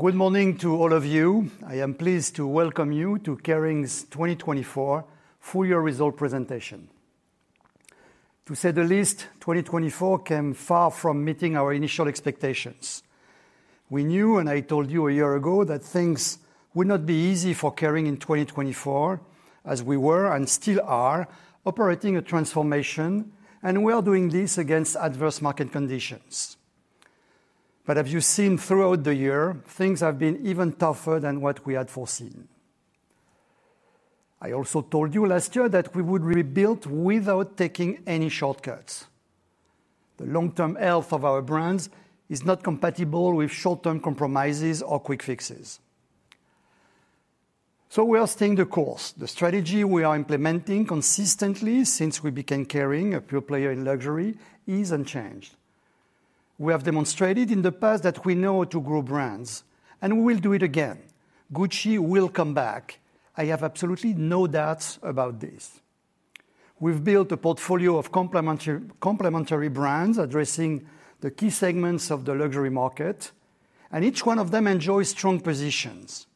Good morning to all of you. I am pleased to welcome you to Kering's 2024 full-year result presentation. To say the least, 2024 came far from meeting our initial expectations. We knew, and I told you a year ago, that things would not be easy for Kering in 2024, as we were and still are operating a transformation, and we are doing this against adverse market conditions. But as you've seen throughout the year, things have been even tougher than what we had foreseen. I also told you last year that we would rebuild without taking any shortcuts. The long-term health of our brands is not compatible with short-term compromises or quick fixes. So we are staying the course. The strategy we are implementing consistently since we became Kering, a pure player in luxury, is unchanged. We have demonstrated in the past that we know how to grow brands, and we will do it again. Gucci will come back. I have absolutely no doubts about this. We've built a portfolio of complementary brands addressing the key segments of the luxury market, and each one of them enjoys strong positions.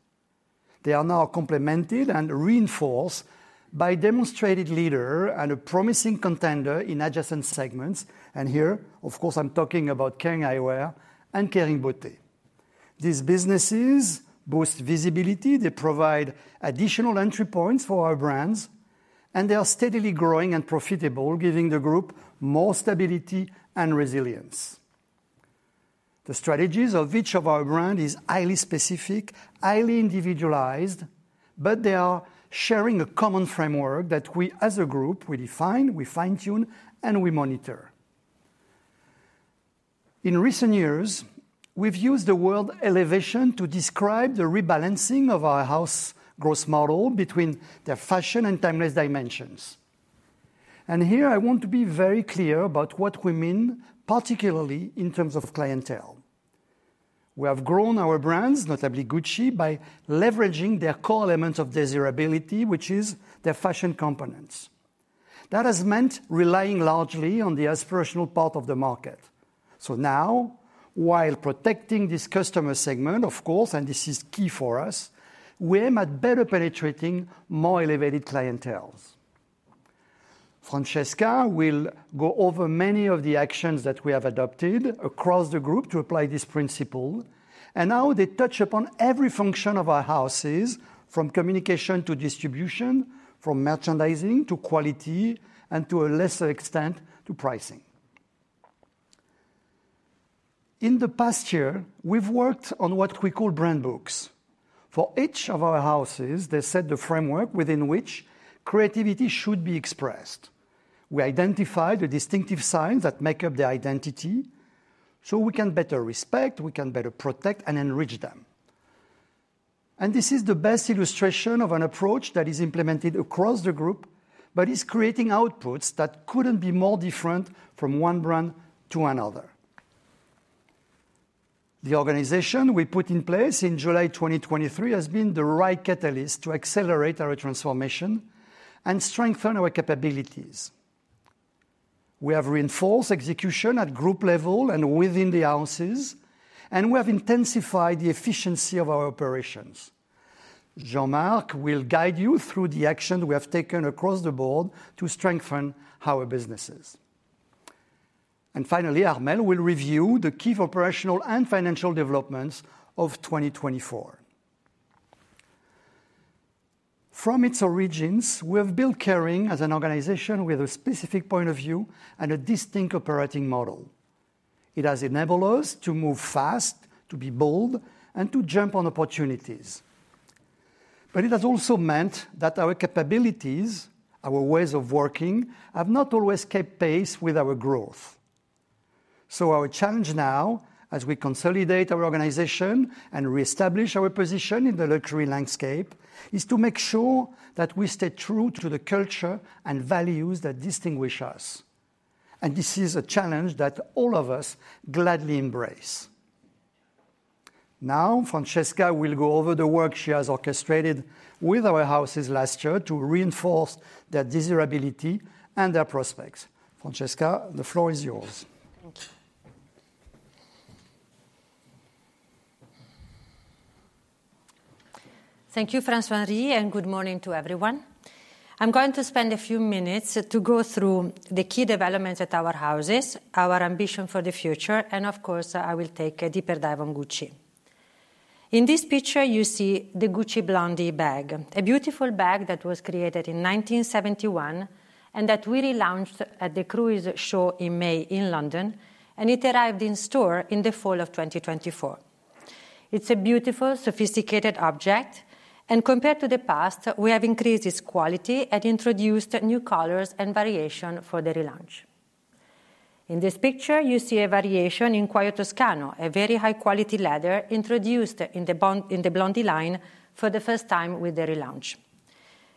They are now complemented and reinforced by demonstrated leaders and a promising contender in adjacent segments, and here, of course, I'm talking about Kering Eyewear and Kering Beauté. These businesses boost visibility. They provide additional entry points for our brands, and they are steadily growing and profitable, giving the group more stability and resilience. The strategies of each of our brands are highly specific, highly individualized, but they are sharing a common framework that we, as a group, we define, we fine-tune, and we monitor. In recent years, we've used the word "elevation" to describe the rebalancing of our house growth model between the fashion and timeless dimensions. And here, I want to be very clear about what we mean, particularly in terms of clientele. We have grown our brands, notably Gucci, by leveraging their core element of desirability, which is their fashion components. That has meant relying largely on the aspirational part of the market. So now, while protecting this customer segment, of course, and this is key for us, we aim at better penetrating more elevated clienteles. Francesca will go over many of the actions that we have adopted across the group to apply this principle, and how they touch upon every function of our houses, from communication to distribution, from merchandising to quality, and to a lesser extent, to pricing. In the past year, we've worked on what we call brand books. For each of our houses, they set the framework within which creativity should be expressed. We identify the distinctive signs that make up their identity so we can better respect, we can better protect, and enrich them. And this is the best illustration of an approach that is implemented across the group, but is creating outputs that couldn't be more different from one brand to another. The organization we put in place in July 2023 has been the right catalyst to accelerate our transformation and strengthen our capabilities. We have reinforced execution at group level and within the houses, and we have intensified the efficiency of our operations. Jean-Marc will guide you through the actions we have taken across the board to strengthen our businesses. And finally, Armelle will review the key operational and financial developments of 2024. From its origins, we have built Kering as an organization with a specific point of view and a distinct operating model. It has enabled us to move fast, to be bold, and to jump on opportunities. But it has also meant that our capabilities, our ways of working, have not always kept pace with our growth. So our challenge now, as we consolidate our organization and reestablish our position in the luxury landscape, is to make sure that we stay true to the culture and values that distinguish us. And this is a challenge that all of us gladly embrace. Now, Francesca will go over the work she has orchestrated with our houses last year to reinforce their desirability and their prospects. Francesca, the floor is yours. Thank you. Thank you, François-Henri, and good morning to everyone. I'm going to spend a few minutes to go through the key developments at our houses, our ambition for the future, and of course, I will take a deeper dive on Gucci. In this picture, you see the Gucci Blondie bag, a beautiful bag that was created in 1971 and that we relaunched at the Cruise Show in May in London, and it arrived in store in the fall of 2024. It's a beautiful, sophisticated object, and compared to the past, we have increased its quality and introduced new colors and variation for the relaunch. In this picture, you see a variation in Cuoio Toscano, a very high-quality leather introduced in the Blondie line for the first time with the relaunch.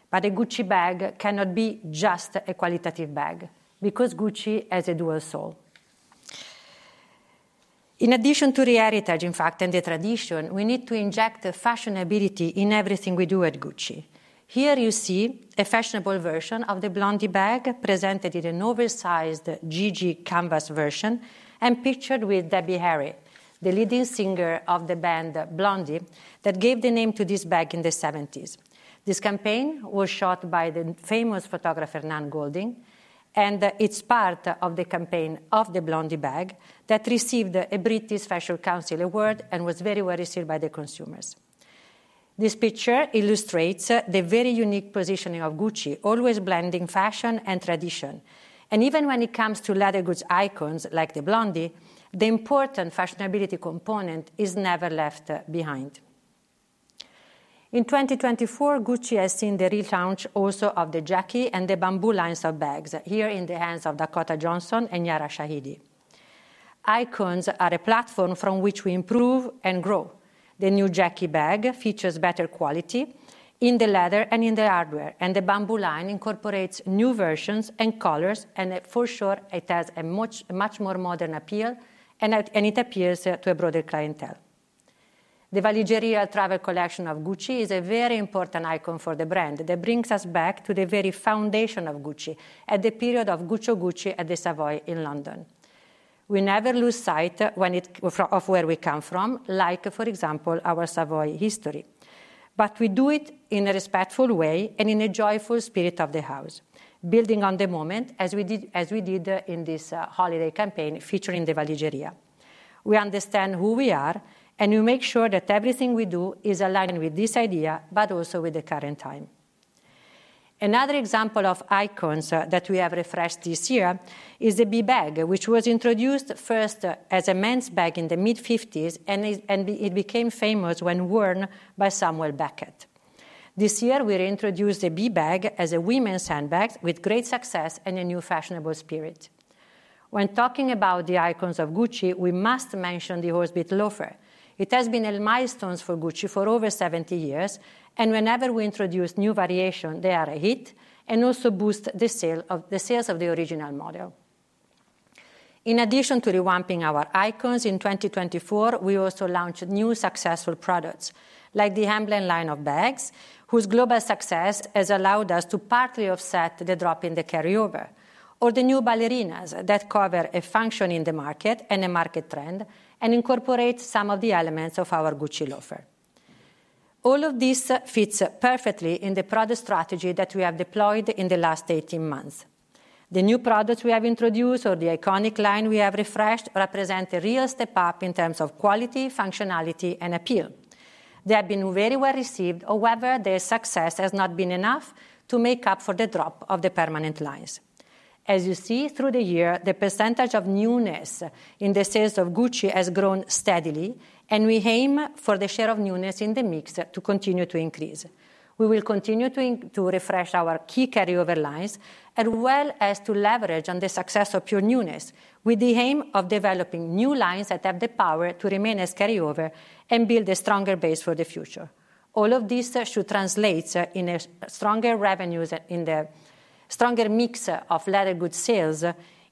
But a Gucci bag cannot be just a qualitative bag because Gucci has a dual soul. In addition to the heritage, in fact, and the tradition, we need to inject fashionability in everything we do at Gucci. Here you see a fashionable version of the Blondie bag presented in a novel-sized GG canvas version and pictured with Debbie Harry, the leading singer of the band Blondie that gave the name to this bag in the 1970s. This campaign was shot by the famous photographer Nan Goldin, and it's part of the campaign of the Blondie bag that received a British Fashion Council award and was very well received by the consumers. This picture illustrates the very unique positioning of Gucci, always blending fashion and tradition, and even when it comes to leather goods icons like the Blondie, the important fashionability component is never left behind. In 2024, Gucci has seen the relaunch also of the Jackie and the Bamboo lines of bags here in the hands of Dakota Johnson and Yara Shahidi. Icons are a platform from which we improve and grow. The new Jackie bag features better quality in the leather and in the hardware, and the Bamboo line incorporates new versions and colors, and for sure, it has a much more modern appeal, and it appeals to a broader clientele. The Valigeria travel collection of Gucci is a very important icon for the brand that brings us back to the very foundation of Gucci at the period of Guccio Gucci at the Savoy in London. We never lose sight of where we come from, like, for example, our Savoy history. But we do it in a respectful way and in a joyful spirit of the house, building on the moment as we did in this holiday campaign featuring the Valigeria. We understand who we are, and we make sure that everything we do is aligned with this idea, but also with the current time. Another example of icons that we have refreshed this year is the B Bag, which was introduced first as a men's bag in the mid-1950s, and it became famous when worn by Samuel Beckett. This year, we reintroduced the B Bag as a women's handbag with great success and a new fashionable spirit. When talking about the icons of Gucci, we must mention the Horsebit Loafer. It has been a milestone for Gucci for over 70 years, and whenever we introduce new variations, they are a hit and also boost the sales of the original model. In addition to revamping our icons in 2024, we also launched new successful products like the Emblem line of bags, whose global success has allowed us to partly offset the drop in the carryover, or the new ballerinas that cover a function in the market and a market trend and incorporate some of the elements of our Gucci Loafer. All of this fits perfectly in the product strategy that we have deployed in the last 18 months. The new products we have introduced, or the iconic line we have refreshed, represent a real step up in terms of quality, functionality, and appeal. They have been very well received, however, their success has not been enough to make up for the drop of the permanent lines. As you see, through the year, the percentage of newness in the sales of Gucci has grown steadily, and we aim for the share of newness in the mix to continue to increase. We will continue to refresh our key carryover lines, as well as to leverage on the success of pure newness with the aim of developing new lines that have the power to remain as carryover and build a stronger base for the future. All of this should translate into stronger revenues and a stronger mix of leather goods sales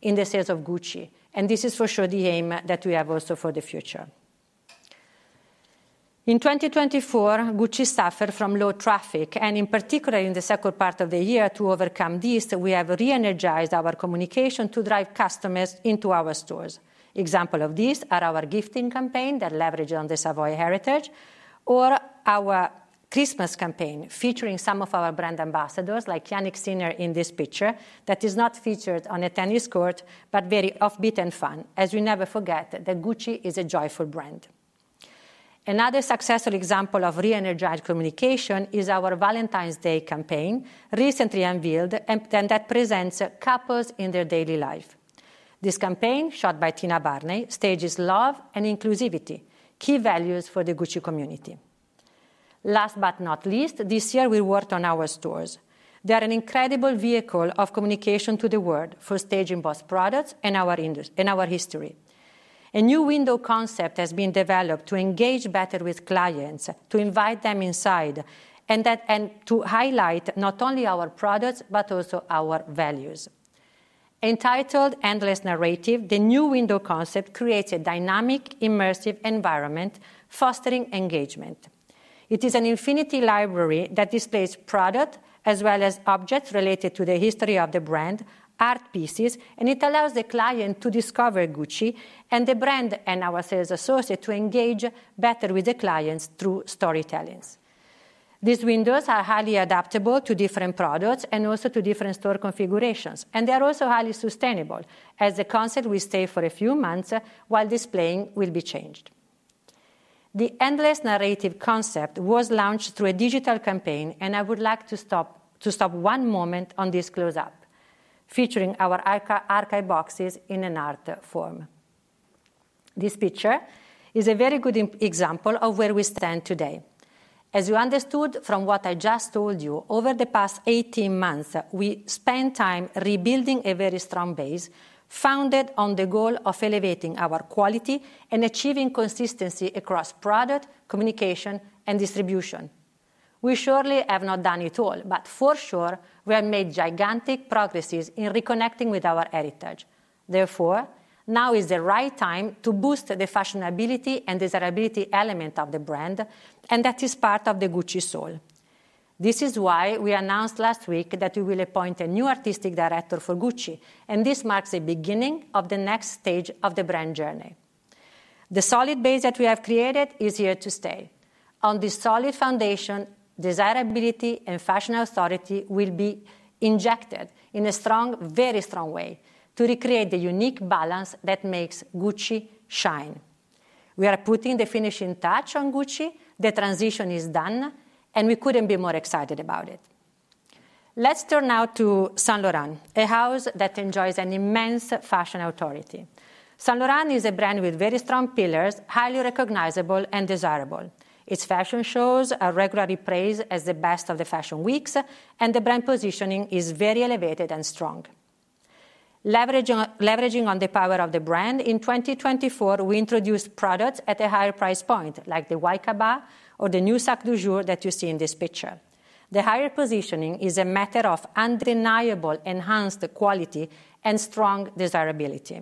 in the sales of Gucci, and this is for sure the aim that we have also for the future. In 2024, Gucci suffered from low traffic, and in particular, in the second part of the year, to overcome this, we have re-energized our communication to drive customers into our stores. Examples of these are our gifting campaign that leverages on The Savoy heritage, or our Christmas campaign featuring some of our brand ambassadors, like Jannik Sinner in this picture, that is not featured on a tennis court, but very off-beat and fun, as we never forget that Gucci is a joyful brand. Another successful example of re-energized communication is our Valentine's Day campaign, recently unveiled, and that presents couples in their daily life. This campaign, shot by Tina Barney, stages love and inclusivity, key values for the Gucci community. Last but not least, this year, we worked on our stores. They are an incredible vehicle of communication to the world for staging both products and our history. A new window concept has been developed to engage better with clients, to invite them inside, and to highlight not only our products, but also our values. Entitled "Endless Narrative," the new window concept creates a dynamic, immersive environment, fostering engagement. It is an infinity library that displays products as well as objects related to the history of the brand, art pieces, and it allows the client to discover Gucci and the brand and our sales associate to engage better with the clients through storytellings. These windows are highly adaptable to different products and also to different store configurations, and they are also highly sustainable, as the concept will stay for a few months while displaying will be changed. The endless narrative concept was launched through a digital campaign, and I would like to stop one moment on this close-up featuring our archive boxes in an art form. This picture is a very good example of where we stand today. As you understood from what I just told you, over the past 18 months, we spent time rebuilding a very strong base founded on the goal of elevating our quality and achieving consistency across product, communication, and distribution. We surely have not done it all, but for sure, we have made gigantic progresses in reconnecting with our heritage. Therefore, now is the right time to boost the fashionability and desirability element of the brand, and that is part of the Gucci soul. This is why we announced last week that we will appoint a new artistic director for Gucci, and this marks the beginning of the next stage of the brand journey. The solid base that we have created is here to stay. On this solid foundation, desirability and fashion authority will be injected in a strong, very strong way to recreate the unique balance that makes Gucci shine. We are putting the finishing touch on Gucci. The transition is done, and we couldn't be more excited about it. Let's turn now to Saint Laurent, a house that enjoys an immense fashion authority. Saint Laurent is a brand with very strong pillars, highly recognizable and desirable. Its fashion shows are regularly praised as the best of the fashion weeks, and the brand positioning is very elevated and strong. Leveraging on the power of the brand, in 2024, we introduced products at a higher price point, like the Y Cabas or the new Sac de Jour that you see in this picture. The higher positioning is a matter of undeniable enhanced quality and strong desirability.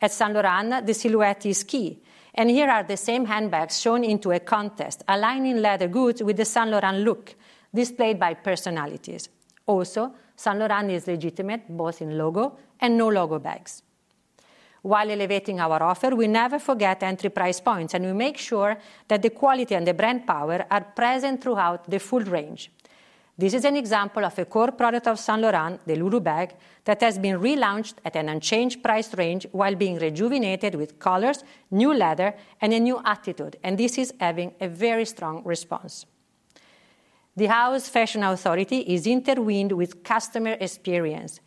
At Saint Laurent, the silhouette is key, and here are the same handbags shown in a context, aligning leather goods with the Saint Laurent look displayed by personalities. Also, Saint Laurent is legitimate both in logo and no logo bags. While elevating our offer, we never forget entry price points, and we make sure that the quality and the brand power are present throughout the full range. This is an example of a core product of Saint Laurent, the Loulou bag, that has been relaunched at an unchanged price range while being rejuvenated with colors, new leather, and a new attitude, and this is having a very strong response. The house's fashion authority is interwoven with customer experience.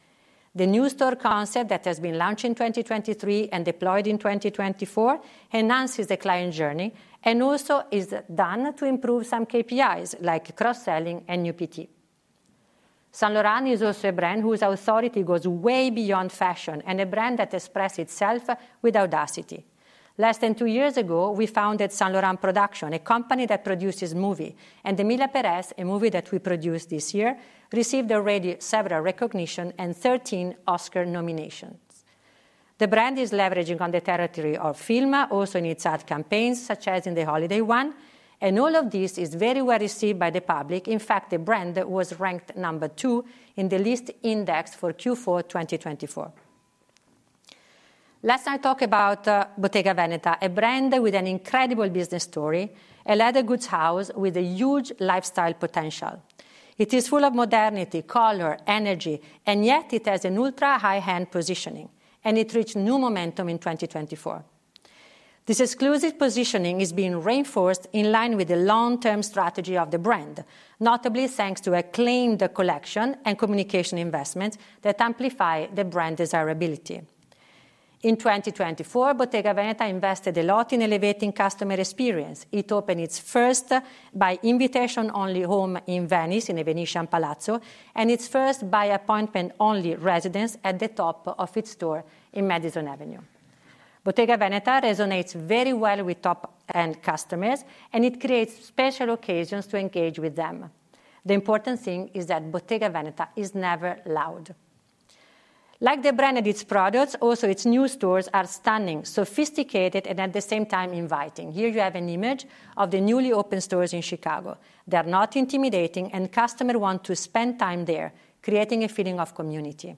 The new store concept that has been launched in 2023 and deployed in 2024 enhances the client journey and also is done to improve some KPIs like cross-selling and UPT. Saint Laurent is also a brand whose authority goes way beyond fashion and a brand that expresses itself with audacity. Less than two years ago, we founded Saint Laurent Productions, a company that produces movie, and Emilia Pérez, a movie that we produced this year, received already several recognitions and 13 Oscar nominations. The brand is leveraging on the territory of film, also in its ad campaigns, such as in the holiday one, and all of this is very well received by the public. In fact, the brand was ranked number two in the Lyst Index for Q4 2024. Last, I'll talk about Bottega Veneta, a brand with an incredible business story, a leather goods house with a huge lifestyle potential. It is full of modernity, color, energy, and yet it has an ultra high-end positioning, and it reached new momentum in 2024. This exclusive positioning is being reinforced in line with the long-term strategy of the brand, notably thanks to acclaimed collection and communication investments that amplify the brand desirability. In 2024, Bottega Veneta invested a lot in elevating customer experience. It opened its first by-invitation-only home in Venice, in a Venetian palazzo, and its first by-appointment-only residence at the top of its store in Madison Avenue. Bottega Veneta resonates very well with top-end customers, and it creates special occasions to engage with them. The important thing is that Bottega Veneta is never loud. Like the brand and its products, also its new stores are stunning, sophisticated, and at the same time inviting. Here you have an image of the newly opened stores in Chicago. They are not intimidating, and customers want to spend time there, creating a feeling of community.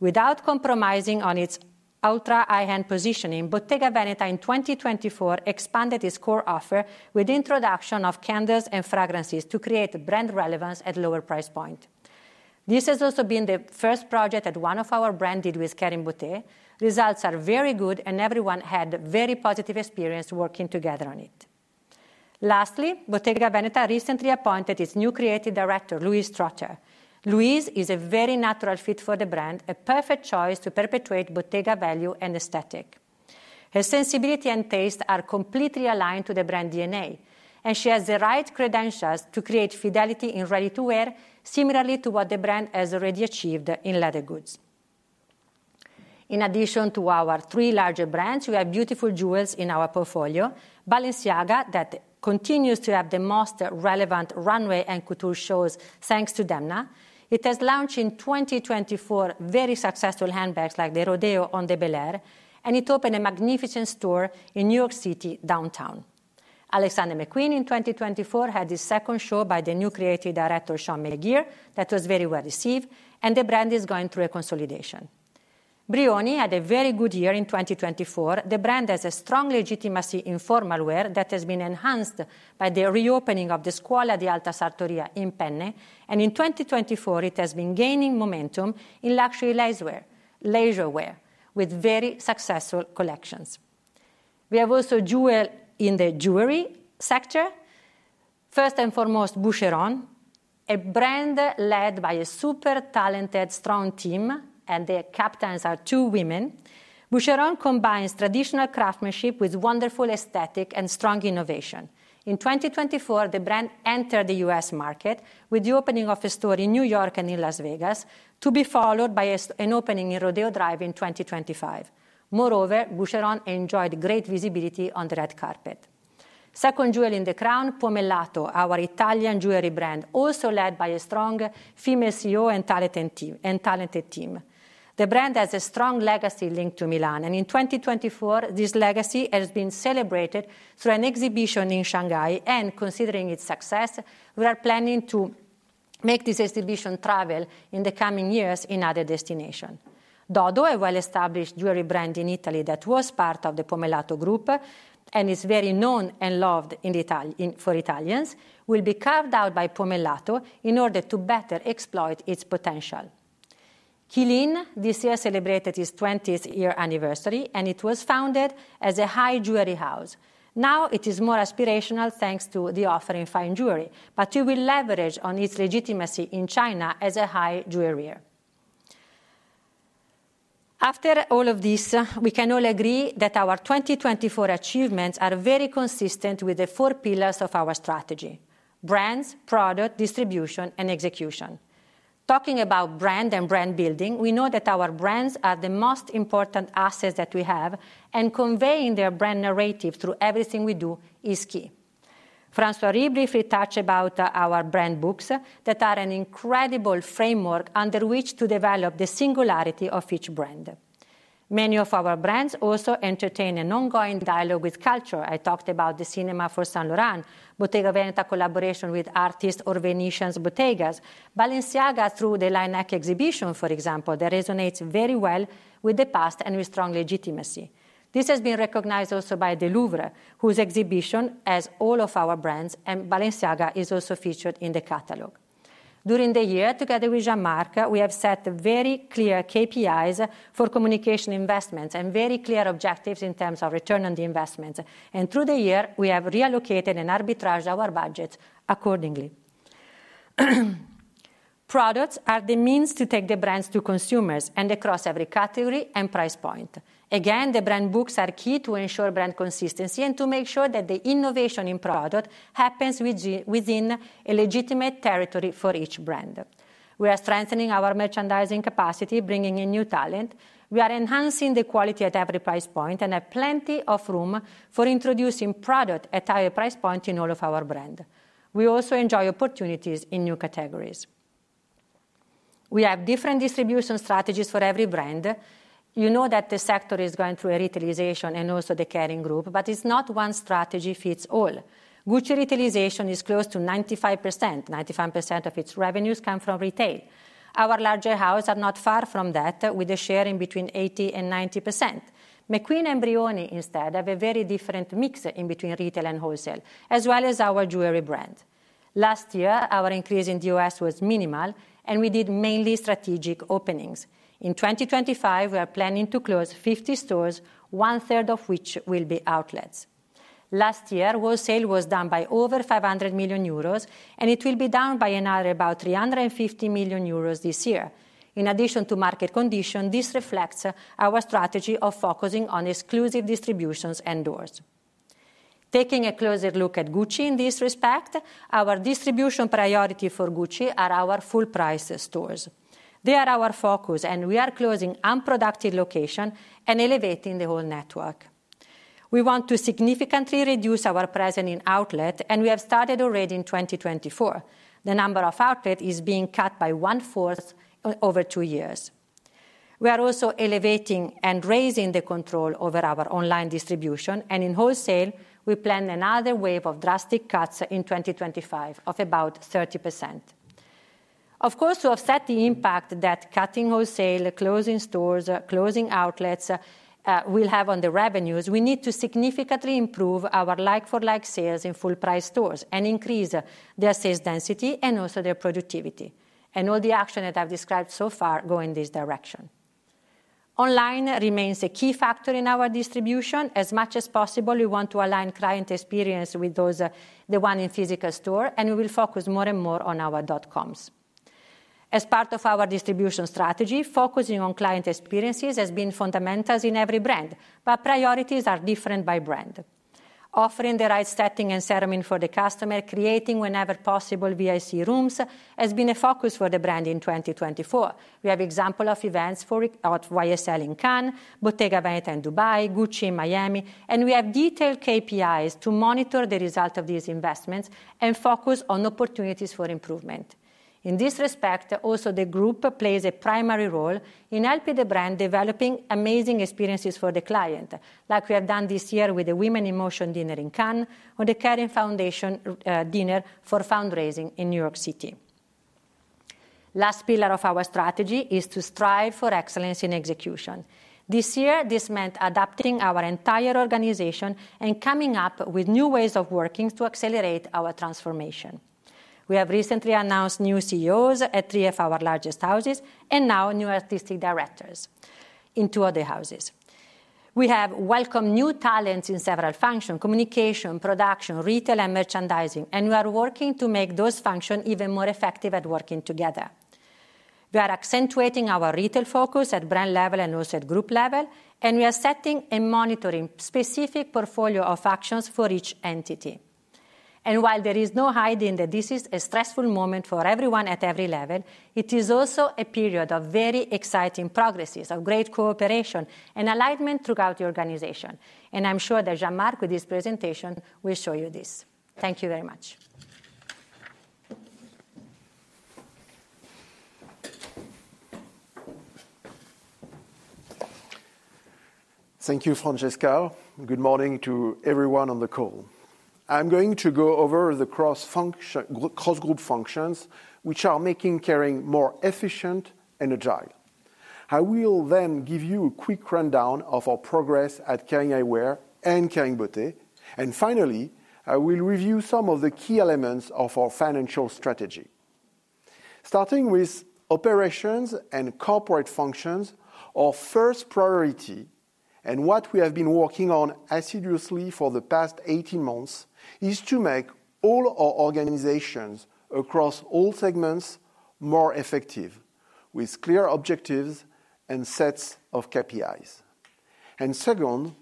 Without compromising on its ultra high-end positioning, Bottega Veneta in 2024 expanded its core offer with the introduction of candles and fragrances to create brand relevance at a lower price point. This has also been the first project that one of our brands did with Kering Beauté. Results are very good, and everyone had a very positive experience working together on it. Lastly, Bottega Veneta recently appointed its new creative director, Louise Trotter. Louise is a very natural fit for the brand, a perfect choice to perpetuate Bottega value and aesthetic. Her sensibility and taste are completely aligned to the brand D&A, and she has the right credentials to create fidelity in ready-to-wear, similarly to what the brand has already achieved in leather goods. In addition to our three larger brands, we have beautiful jewels in our portfolio, Balenciaga, that continues to have the most relevant runway and couture shows thanks to Demna. It has launched in 2024 very successful handbags like the Rodeo and the Bel Air, and it opened a magnificent store in New York City, downtown. Alexander McQueen, in 2024, had his second show by the new creative director, Seán McGirr, that was very well received, and the brand is going through a consolidation. Brioni had a very good year in 2024. The brand has a strong legitimacy in formal wear that has been enhanced by the reopening of the Scuola di Alta Sartoria in Penne, and in 2024, it has been gaining momentum in luxury leisure wear with very successful collections. We have also jewels in the jewelry sector. First and foremost, Boucheron, a brand led by a super talented, strong team, and the captains are two women. Boucheron combines traditional craftsmanship with wonderful aesthetic and strong innovation. In 2024, the brand entered the U.S. market with the opening of a store in New York and in Las Vegas, to be followed by an opening in Rodeo Drive in 2025. Moreover, Boucheron enjoyed great visibility on the red carpet. Second jewel in the crown, Pomellato, our Italian jewelry brand, also led by a strong female CEO and talented team. The brand has a strong legacy linked to Milan, and in 2024, this legacy has been celebrated through an exhibition in Shanghai, and considering its success, we are planning to make this exhibition travel in the coming years in other destinations. DoDo, a well-established jewelry brand in Italy that was part of the Pomellato group and is very known and loved for Italians, will be carved out by Pomellato in order to better exploit its potential. Qeelin, this year, celebrated its 20th year anniversary, and it was founded as a high jewelry house. Now, it is more aspirational thanks to the offer in fine jewelry, but it will leverage on its legitimacy in China as a high jewelry. After all of this, we can all agree that our 2024 achievements are very consistent with the four pillars of our strategy: brands, product, distribution, and execution. Talking about brand and brand building, we know that our brands are the most important assets that we have, and conveying their brand narrative through everything we do is key. François-Henri Pinault talked about our brand books that are an incredible framework under which to develop the singularity of each brand. Many of our brands also entertain an ongoing dialogue with culture. I talked about the cinema for Saint Laurent, Bottega Veneta collaboration with artists or Venetians, Bottegas, Balenciaga through the LINAC exhibition, for example, that resonates very well with the past and with strong legitimacy. This has been recognized also by the Louvre, whose exhibition has all of our brands, and Balenciaga is also featured in the catalog. During the year, together with Jean-Marc, we have set very clear KPIs for communication investments and very clear objectives in terms of return on the investments, and through the year, we have reallocated and arbitraged our budgets accordingly. Products are the means to take the brands to consumers and across every category and price point. Again, the brand books are key to ensure brand consistency and to make sure that the innovation in product happens within a legitimate territory for each brand. We are strengthening our merchandising capacity, bringing in new talent. We are enhancing the quality at every price point and have plenty of room for introducing product at higher price points in all of our brands. We also enjoy opportunities in new categories. We have different distribution strategies for every brand. You know that the sector is going through a retailization and also the Kering Group, but it's not one strategy fits all. Gucci retailization is close to 95%. 95% of its revenues come from retail. Our larger houses are not far from that with a share in between 80% and 90%. McQueen and Brioni, instead, have a very different mix in between retail and wholesale, as well as our jewelry brand. Last year, our increase in the U.S. was minimal, and we did mainly strategic openings. In 2025, we are planning to close 50 stores, one-third of which will be outlets. Last year, wholesale was done by over €500 million, and it will be down by another about €350 million this year. In addition to market conditions, this reflects our strategy of focusing on exclusive distributions and doors. Taking a closer look at Gucci in this respect, our distribution priority for Gucci are our full-price stores. They are our focus, and we are closing unproductive locations and elevating the whole network. We want to significantly reduce our presence in outlets, and we have started already in 2024. The number of outlets is being cut by one-fourth over two years. We are also elevating and raising the control over our online distribution, and in wholesale, we plan another wave of drastic cuts in 2025 of about 30%. Of course, to offset the impact that cutting wholesale, closing stores, closing outlets will have on the revenues, we need to significantly improve our like-for-like sales in full-price stores and increase their sales density and also their productivity, and all the action that I've described so far goes in this direction. Online remains a key factor in our distribution. As much as possible, we want to align client experience with the one in physical store, and we will focus more and more on our dot-coms. As part of our distribution strategy, focusing on client experiences has been fundamental in every brand, but priorities are different by brand. Offering the right setting and ceremony for the customer, creating whenever possible VIC rooms, has been a focus for the brand in 2024. We have examples of events for YSL in Cannes, Bottega Veneta in Dubai, Gucci in Miami, and we have detailed KPIs to monitor the result of these investments and focus on opportunities for improvement. In this respect, also, the group plays a primary role in helping the brand develop amazing experiences for the client, like we have done this year with the Women in Motion Dinner in Cannes or the Kering Foundation Dinner for fundraising in New York City. Last pillar of our strategy is to strive for excellence in execution. This year, this meant adapting our entire organization and coming up with new ways of working to accelerate our transformation. We have recently announced new CEOs at three of our largest houses and now new artistic directors in two other houses. We have welcomed new talents in several functions: communication, production, retail, and merchandising, and we are working to make those functions even more effective at working together. We are accentuating our retail focus at brand level and also at group level, and we are setting and monitoring a specific portfolio of actions for each entity. And while there is no hiding that this is a stressful moment for everyone at every level, it is also a period of very exciting progresses, of great cooperation and alignment throughout the organization. And I'm sure that Jean-Marc, with his presentation, will show you this. Thank you very much. Thank you, Francesca. Good morning to everyone on the call. I'm going to go over the cross-group functions which are making Kering more efficient and agile. I will then give you a quick rundown of our progress at Kering Eyewear and Kering Beauté, and finally, I will review some of the key elements of our financial strategy. Starting with operations and corporate functions, our first priority and what we have been working on assiduously for the past 18 months is to make all our organizations across all segments more effective with clear objectives and sets of KPIs, and second,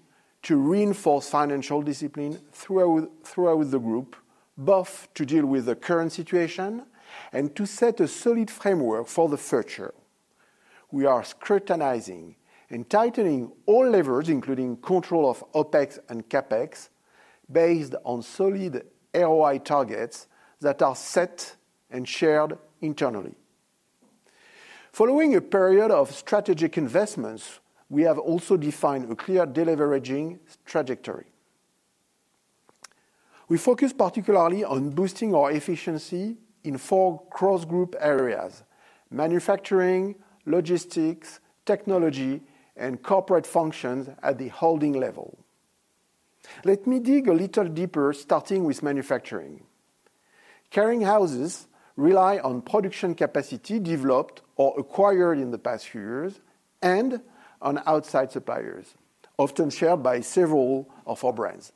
to reinforce financial discipline throughout the group, both to deal with the current situation and to set a solid framework for the future. We are scrutinizing and tightening all levers, including control of OPEX and CapEx, based on solid ROI targets that are set and shared internally. Following a period of strategic investments, we have also defined a clear delivery trajectory. We focus particularly on boosting our efficiency in four cross-group areas: manufacturing, logistics, technology, and corporate functions at the holding level. Let me dig a little deeper, starting with manufacturing. Kering houses rely on production capacity developed or acquired in the past few years and on outside suppliers, often shared by several of our brands.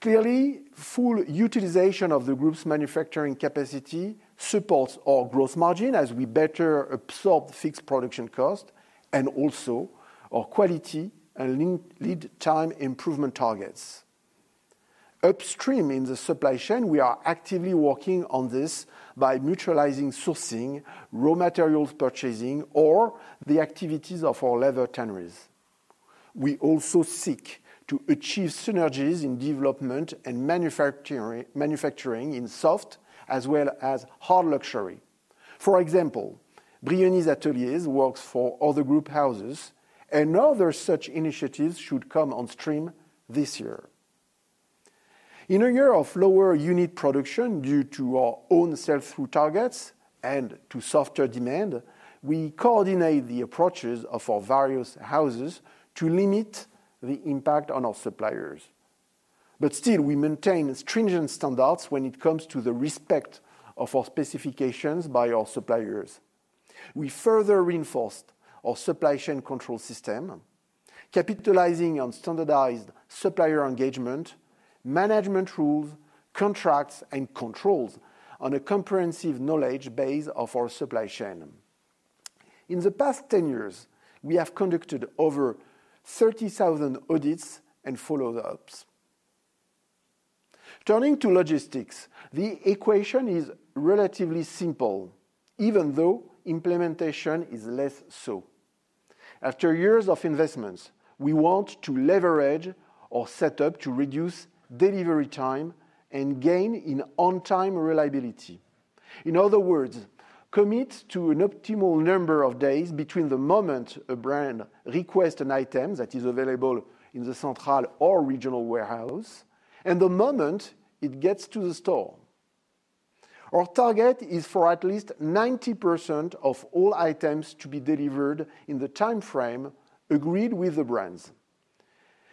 Clearly, full utilization of the group's manufacturing capacity supports our gross margin as we better absorb fixed production costs and also our quality and lead time improvement targets. Upstream in the supply chain, we are actively working on this by mutualizing sourcing, raw materials purchasing, or the activities of our leather tanneries. We also seek to achieve synergies in development and manufacturing in soft as well as hard luxury. For example, Brioni's Ateliers works for other group houses, and other such initiatives should come on stream this year. In a year of lower unit production due to our own sell-through targets and to softer demand, we coordinate the approaches of our various houses to limit the impact on our suppliers. But still, we maintain stringent standards when it comes to the respect of our specifications by our suppliers. We further reinforced our supply chain control system, capitalizing on standardized supplier engagement, management rules, contracts, and controls on a comprehensive knowledge base of our supply chain. In the past 10 years, we have conducted over 30,000 audits and follow-ups. Turning to logistics, the equation is relatively simple, even though implementation is less so. After years of investments, we want to leverage our setup to reduce delivery time and gain in on-time reliability. In other words, commit to an optimal number of days between the moment a brand requests an item that is available in the central or regional warehouse and the moment it gets to the store. Our target is for at least 90% of all items to be delivered in the time frame agreed with the brands.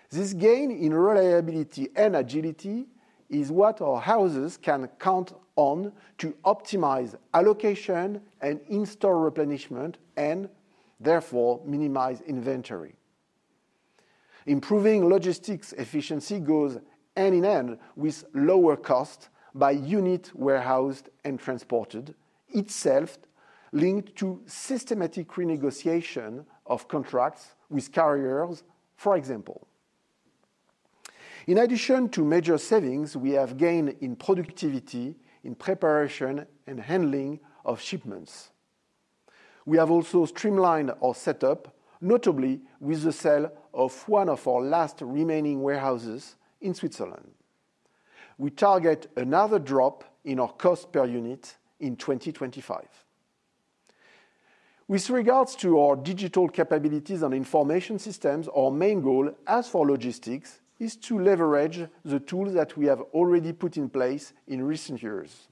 This gain in reliability and agility is what our houses can count on to optimize allocation and in-store replenishment and therefore minimize inventory. Improving logistics efficiency goes hand in hand with lower costs by unit warehoused and transported itself, linked to systematic renegotiation of contracts with carriers, for example. In addition to major savings, we have gained in productivity in preparation and handling of shipments. We have also streamlined our setup, notably with the sale of one of our last remaining warehouses in Switzerland. We target another drop in our cost per unit in 2025. With regards to our digital capabilities and information systems, our main goal as for logistics is to leverage the tools that we have already put in place in recent years.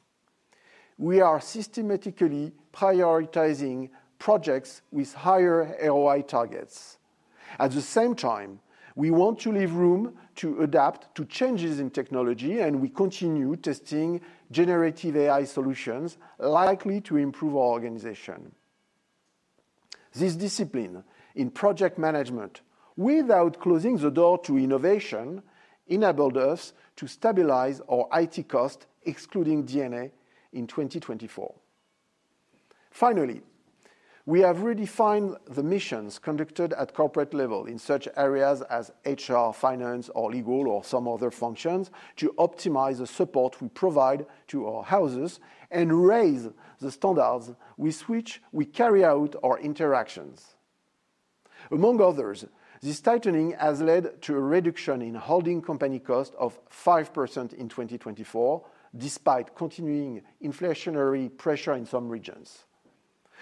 We are systematically prioritizing projects with higher ROI targets. At the same time, we want to leave room to adapt to changes in technology, and we continue testing generative AI solutions likely to improve our organization. This discipline in project management, without closing the door to innovation, enabled us to stabilize our IT costs, excluding DNA, in 2024. Finally, we have redefined the missions conducted at corporate level in such areas as HR, finance, or legal, or some other functions to optimize the support we provide to our houses and raise the standards with which we carry out our interactions. Among others, this tightening has led to a reduction in holding company costs of 5% in 2024, despite continuing inflationary pressure in some regions.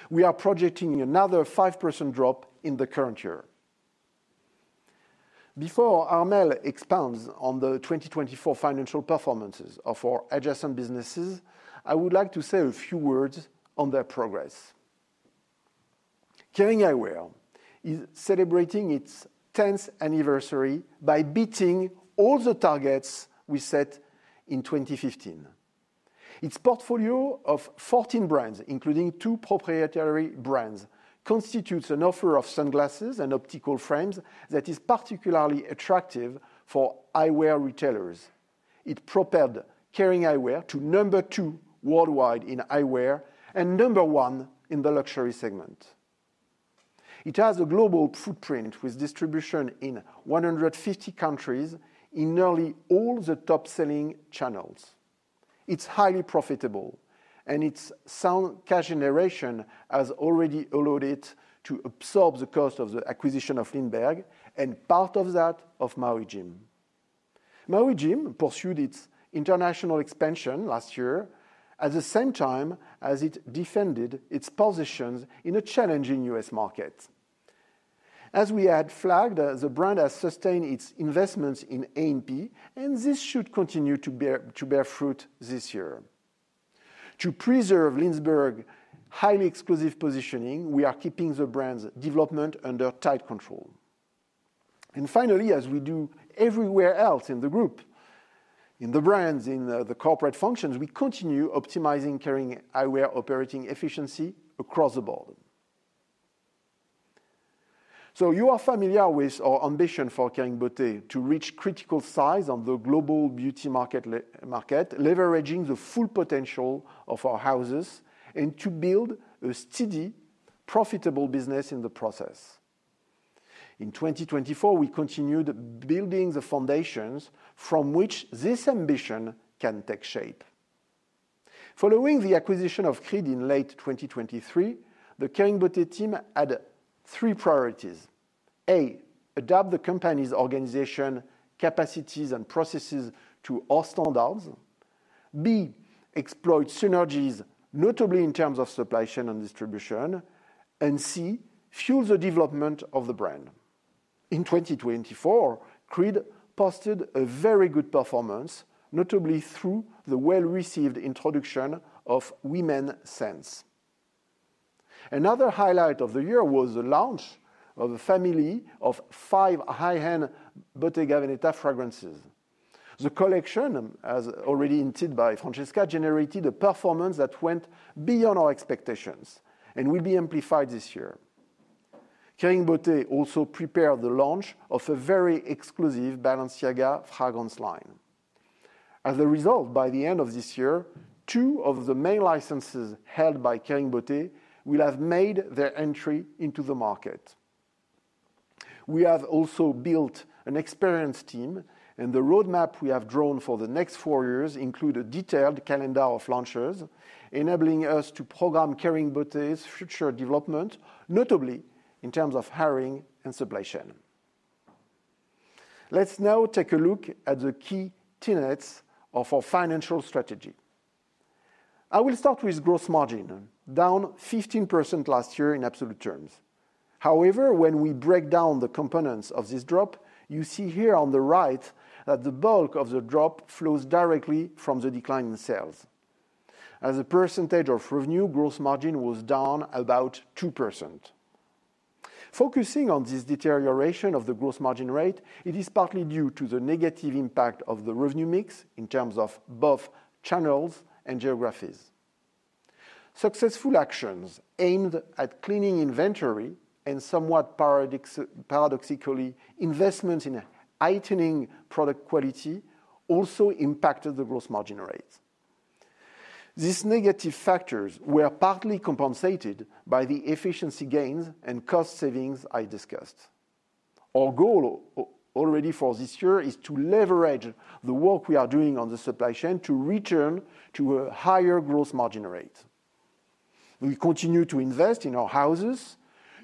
We are projecting another 5% drop in the current year. Before Armelle expounds on the 2024 financial performances of our adjacent businesses, I would like to say a few words on their progress. Kering Eyewear is celebrating its 10th anniversary by beating all the targets we set in 2015. Its portfolio of 14 brands, including two proprietary brands, constitutes an offer of sunglasses and optical frames that is particularly attractive for eyewear retailers. It propelled Kering Eyewear to number two worldwide in eyewear and number one in the luxury segment. It has a global footprint with distribution in 150 countries in nearly all the top-selling channels. It's highly profitable, and its sound cash generation has already allowed it to absorb the cost of the acquisition of Lindberg and part of that of Maui Jim. Maui Jim pursued its international expansion last year at the same time as it defended its positions in a challenging U.S. market. As we had flagged, the brand has sustained its investments in A&P, and this should continue to bear fruit this year. To preserve Lindberg's highly exclusive positioning, we are keeping the brand's development under tight control, and finally, as we do everywhere else in the group, in the brands, in the corporate functions, we continue optimizing Kering Eyewear operating efficiency across the board. You are familiar with our ambition for Kering Beauté to reach critical size on the global beauty market, leveraging the full potential of our houses and to build a steady, profitable business in the process. In 2024, we continued building the foundations from which this ambition can take shape. Following the acquisition of Creed in late 2023, the Kering Beauté team had three priorities: A, adapt the company's organization, capacities, and processes to our standards. B, exploit synergies, notably in terms of supply chain and distribution. And C, fuel the development of the brand. In 2024, Creed posted a very good performance, notably through the well-received introduction of women's scent. Another highlight of the year was the launch of a family of five high-end Bottega Veneta fragrances. The collection, as already hinted by Francesca, generated a performance that went beyond our expectations and will be amplified this year. Kering Beauté also prepared the launch of a very exclusive Balenciaga fragrance line. As a result, by the end of this year, two of the main licenses held by Kering Beauté will have made their entry into the market. We have also built an experience team, and the roadmap we have drawn for the next four years includes a detailed calendar of launches, enabling us to program Kering Beauté's future development, notably in terms of hiring and supply chain. Let's now take a look at the key tenets of our financial strategy. I will start with gross margin, down 15% last year in absolute terms. However, when we break down the components of this drop, you see here on the right that the bulk of the drop flows directly from the declining sales. As a percentage of revenue, gross margin was down about 2%. Focusing on this deterioration of the gross margin rate, it is partly due to the negative impact of the revenue mix in terms of both channels and geographies. Successful actions aimed at cleaning inventory and, somewhat paradoxically, investments in heightening product quality also impacted the gross margin rate. These negative factors were partly compensated by the efficiency gains and cost savings I discussed. Our goal already for this year is to leverage the work we are doing on the supply chain to return to a higher gross margin rate. We continue to invest in our houses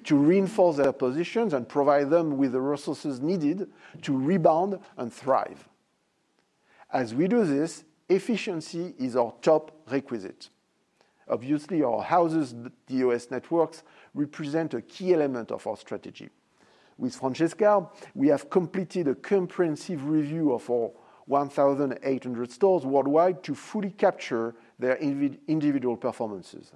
to reinforce their positions and provide them with the resources needed to rebound and thrive. As we do this, efficiency is our top requisite. Obviously, our houses, the U.S. networks, represent a key element of our strategy. With Francesca, we have completed a comprehensive review of our 1,800 stores worldwide to fully capture their individual performances.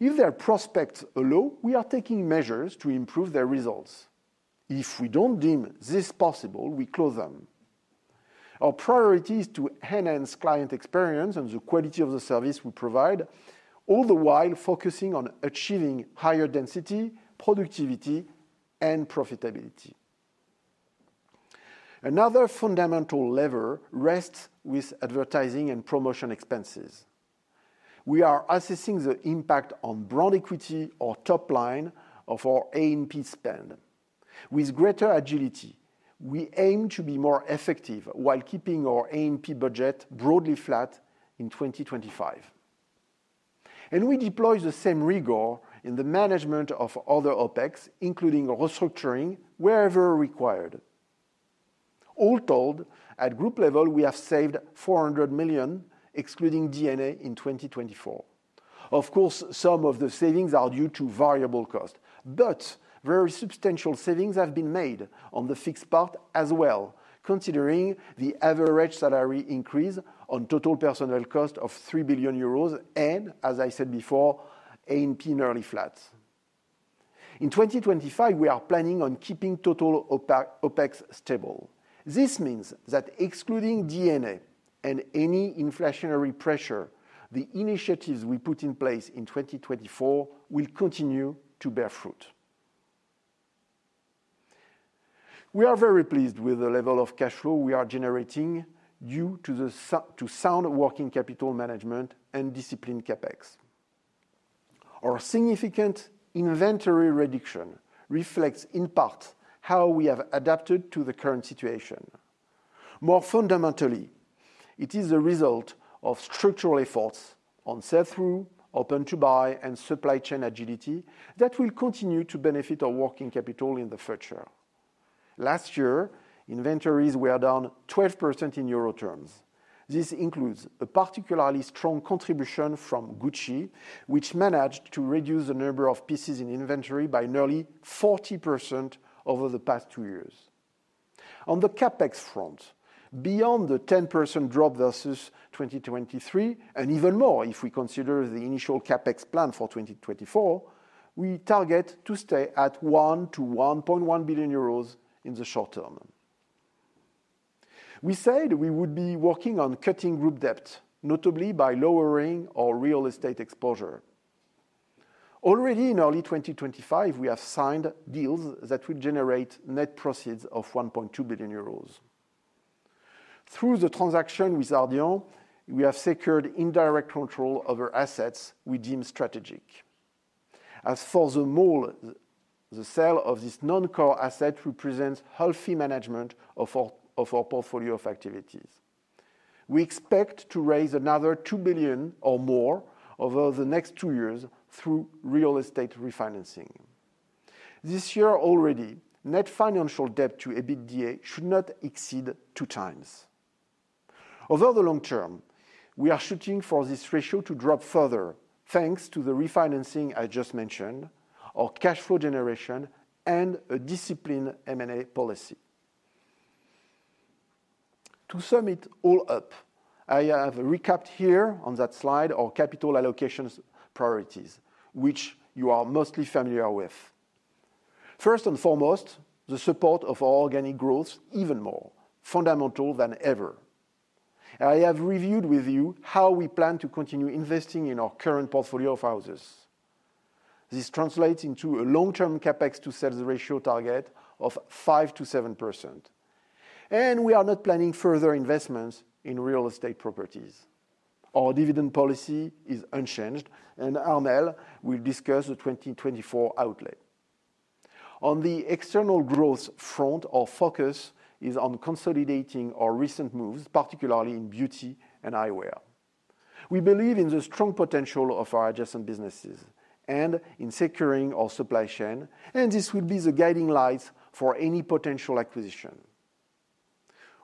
If their prospects are low, we are taking measures to improve their results. If we don't deem this possible, we close them. Our priority is to enhance client experience and the quality of the service we provide, all the while focusing on achieving higher density, productivity, and profitability. Another fundamental lever rests with advertising and promotion expenses. We are assessing the impact on brand equity, our top line of our A&P spend. With greater agility, we aim to be more effective while keeping our A&P budget broadly flat in 2025, and we deploy the same rigor in the management of other OPEX, including restructuring wherever required. All told, at group level, we have saved 400 million, excluding D&A, in 2024. Of course, some of the savings are due to variable costs, but very substantial savings have been made on the fixed part as well, considering the average salary increase on total personal cost of three billion euros and, as I said before, A&P nearly flat. In 2025, we are planning on keeping total OPEX stable. This means that excluding DNA and any inflationary pressure, the initiatives we put in place in 2024 will continue to bear fruit. We are very pleased with the level of cash flow we are generating due to sound working capital management and disciplined CapEx. Our significant inventory reduction reflects in part how we have adapted to the current situation. More fundamentally, it is the result of structural efforts on sell-through, open-to-buy, and supply chain agility that will continue to benefit our working capital in the future. Last year, inventories were down 12% in EUR terms. This includes a particularly strong contribution from Gucci, which managed to reduce the number of pieces in inventory by nearly 40% over the past two years. On the CapEx front, beyond the 10% drop versus 2023, and even more if we consider the initial CapEx plan for 2024, we target to stay at 1-1.1 billion euros in the short term. We said we would be working on cutting group debt, notably by lowering our real estate exposure. Already in early 2025, we have signed deals that will generate net proceeds of 1.2 billion euros. Through the transaction with Ardian, we have secured indirect control over assets we deem strategic. As for the mall, the sale of this non-core asset represents healthy management of our portfolio of activities. We expect to raise another 2 billion or more over the next two years through real estate refinancing. This year already, net financial debt to EBITDA should not exceed two times. Over the long term, we are shooting for this ratio to drop further thanks to the refinancing I just mentioned, our cash flow generation, and a disciplined M&A policy. To sum it all up, I have recapped here on that slide our capital allocation priorities, which you are mostly familiar with. First and foremost, the support of our organic growth even more, fundamental than ever. I have reviewed with you how we plan to continue investing in our current portfolio of houses. This translates into a long-term CapEx-to-sales ratio target of 5%-7%, and we are not planning further investments in real estate properties. Our dividend policy is unchanged, and Armelle will discuss the 2024 outlay. On the external growth front, our focus is on consolidating our recent moves, particularly in beauty and eyewear. We believe in the strong potential of our adjacent businesses and in securing our supply chain, and this will be the guiding light for any potential acquisition.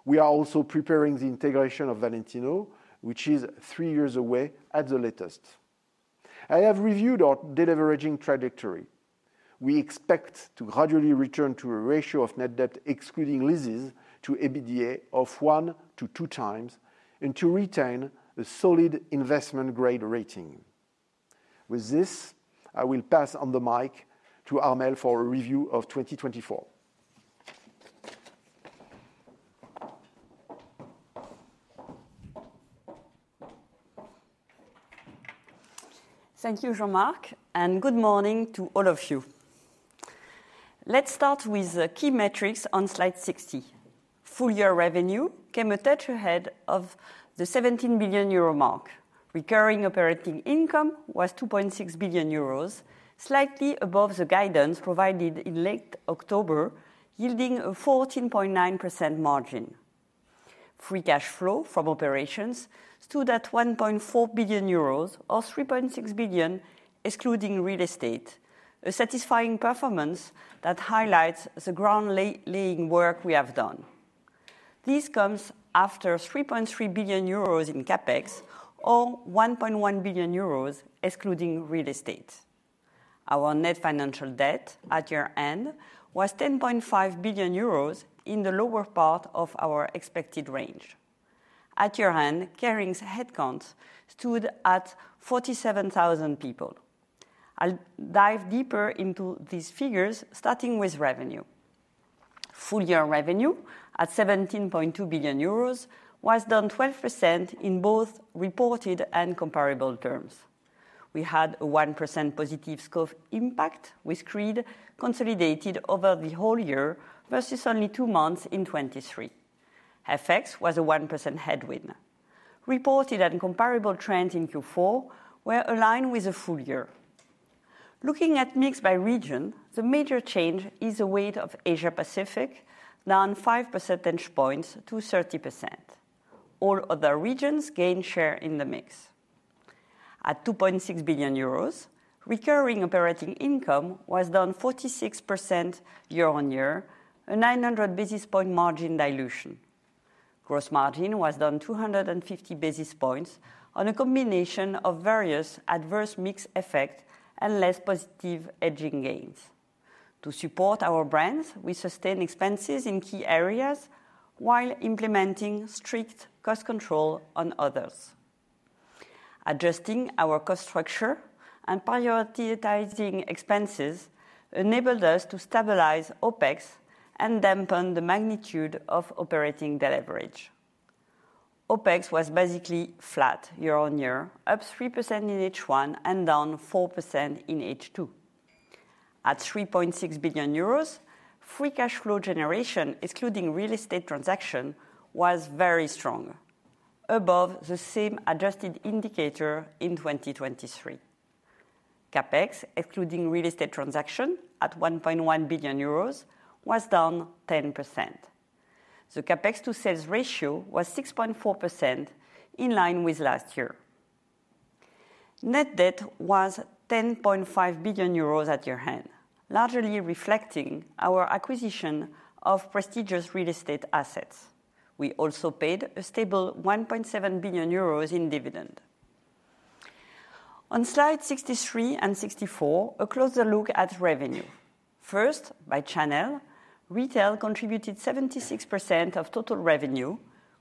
We are also preparing the integration of Valentino, which is three years away at the latest. I have reviewed our deleveraging trajectory. We expect to gradually return to a ratio of net debt, excluding leases, to EBITDA of 1 to 2 times and to retain a solid investment-grade rating. With this, I will pass on the mic to Armelle for a review of 2024. Thank you, Jean-Marc, and good morning to all of you. Let's start with the key metrics on slide 60. Full year revenue came a touch ahead of the 17 billion euro mark. Recurring operating income was 2.6 billion euros, slightly above the guidance provided in late October, yielding a 14.9% margin. Free cash flow from operations stood at 1.4 billion euros, or 3.6 billion excluding real estate, a satisfying performance that highlights the ground-laying work we have done. This comes after 3.3 billion euros in CapEx, or 1.1 billion euros excluding real estate. Our net financial debt at year-end was 10.5 billion euros in the lower part of our expected range. At year-end, Kering's headcount stood at 47,000 people. I'll dive deeper into these figures, starting with revenue. Full year revenue at 17.2 billion euros was down 12% in both reported and comparable terms. We had a 1% positive scope impact with Creed consolidated over the whole year versus only two months in 2023. FX was a 1% headwind. Reported and comparable trends in Q4 were aligned with the full year. Looking at mix by region, the major change is the weight of Asia-Pacific, down 5 percentage points to 30%. All other regions gained share in the mix. At 2.6 billion euros, recurring operating income was down 46% year-on-year, a 900 basis point margin dilution. Gross margin was down 250 basis points on a combination of various adverse mix effects and less positive hedging gains. To support our brands, we sustained expenses in key areas while implementing strict cost control on others. Adjusting our cost structure and prioritizing expenses enabled us to stabilize OPEX and dampen the magnitude of operating deleverage. OPEX was basically flat year-on-year, up 3% in H1 and down 4% in H2. At 3.6 billion euros, free cash flow generation, excluding real estate transaction, was very strong, above the same adjusted indicator in 2023. CapEx, excluding real estate transaction, at 1.1 billion euros, was down 10%. The CapEx-to-sales ratio was 6.4%, in line with last year. Net debt was 10.5 billion euros at year-end, largely reflecting our acquisition of prestigious real estate assets. We also paid a stable 1.7 billion euros in dividend. On slides 63 and 64, a closer look at revenue. First, by channel, retail contributed 76% of total revenue,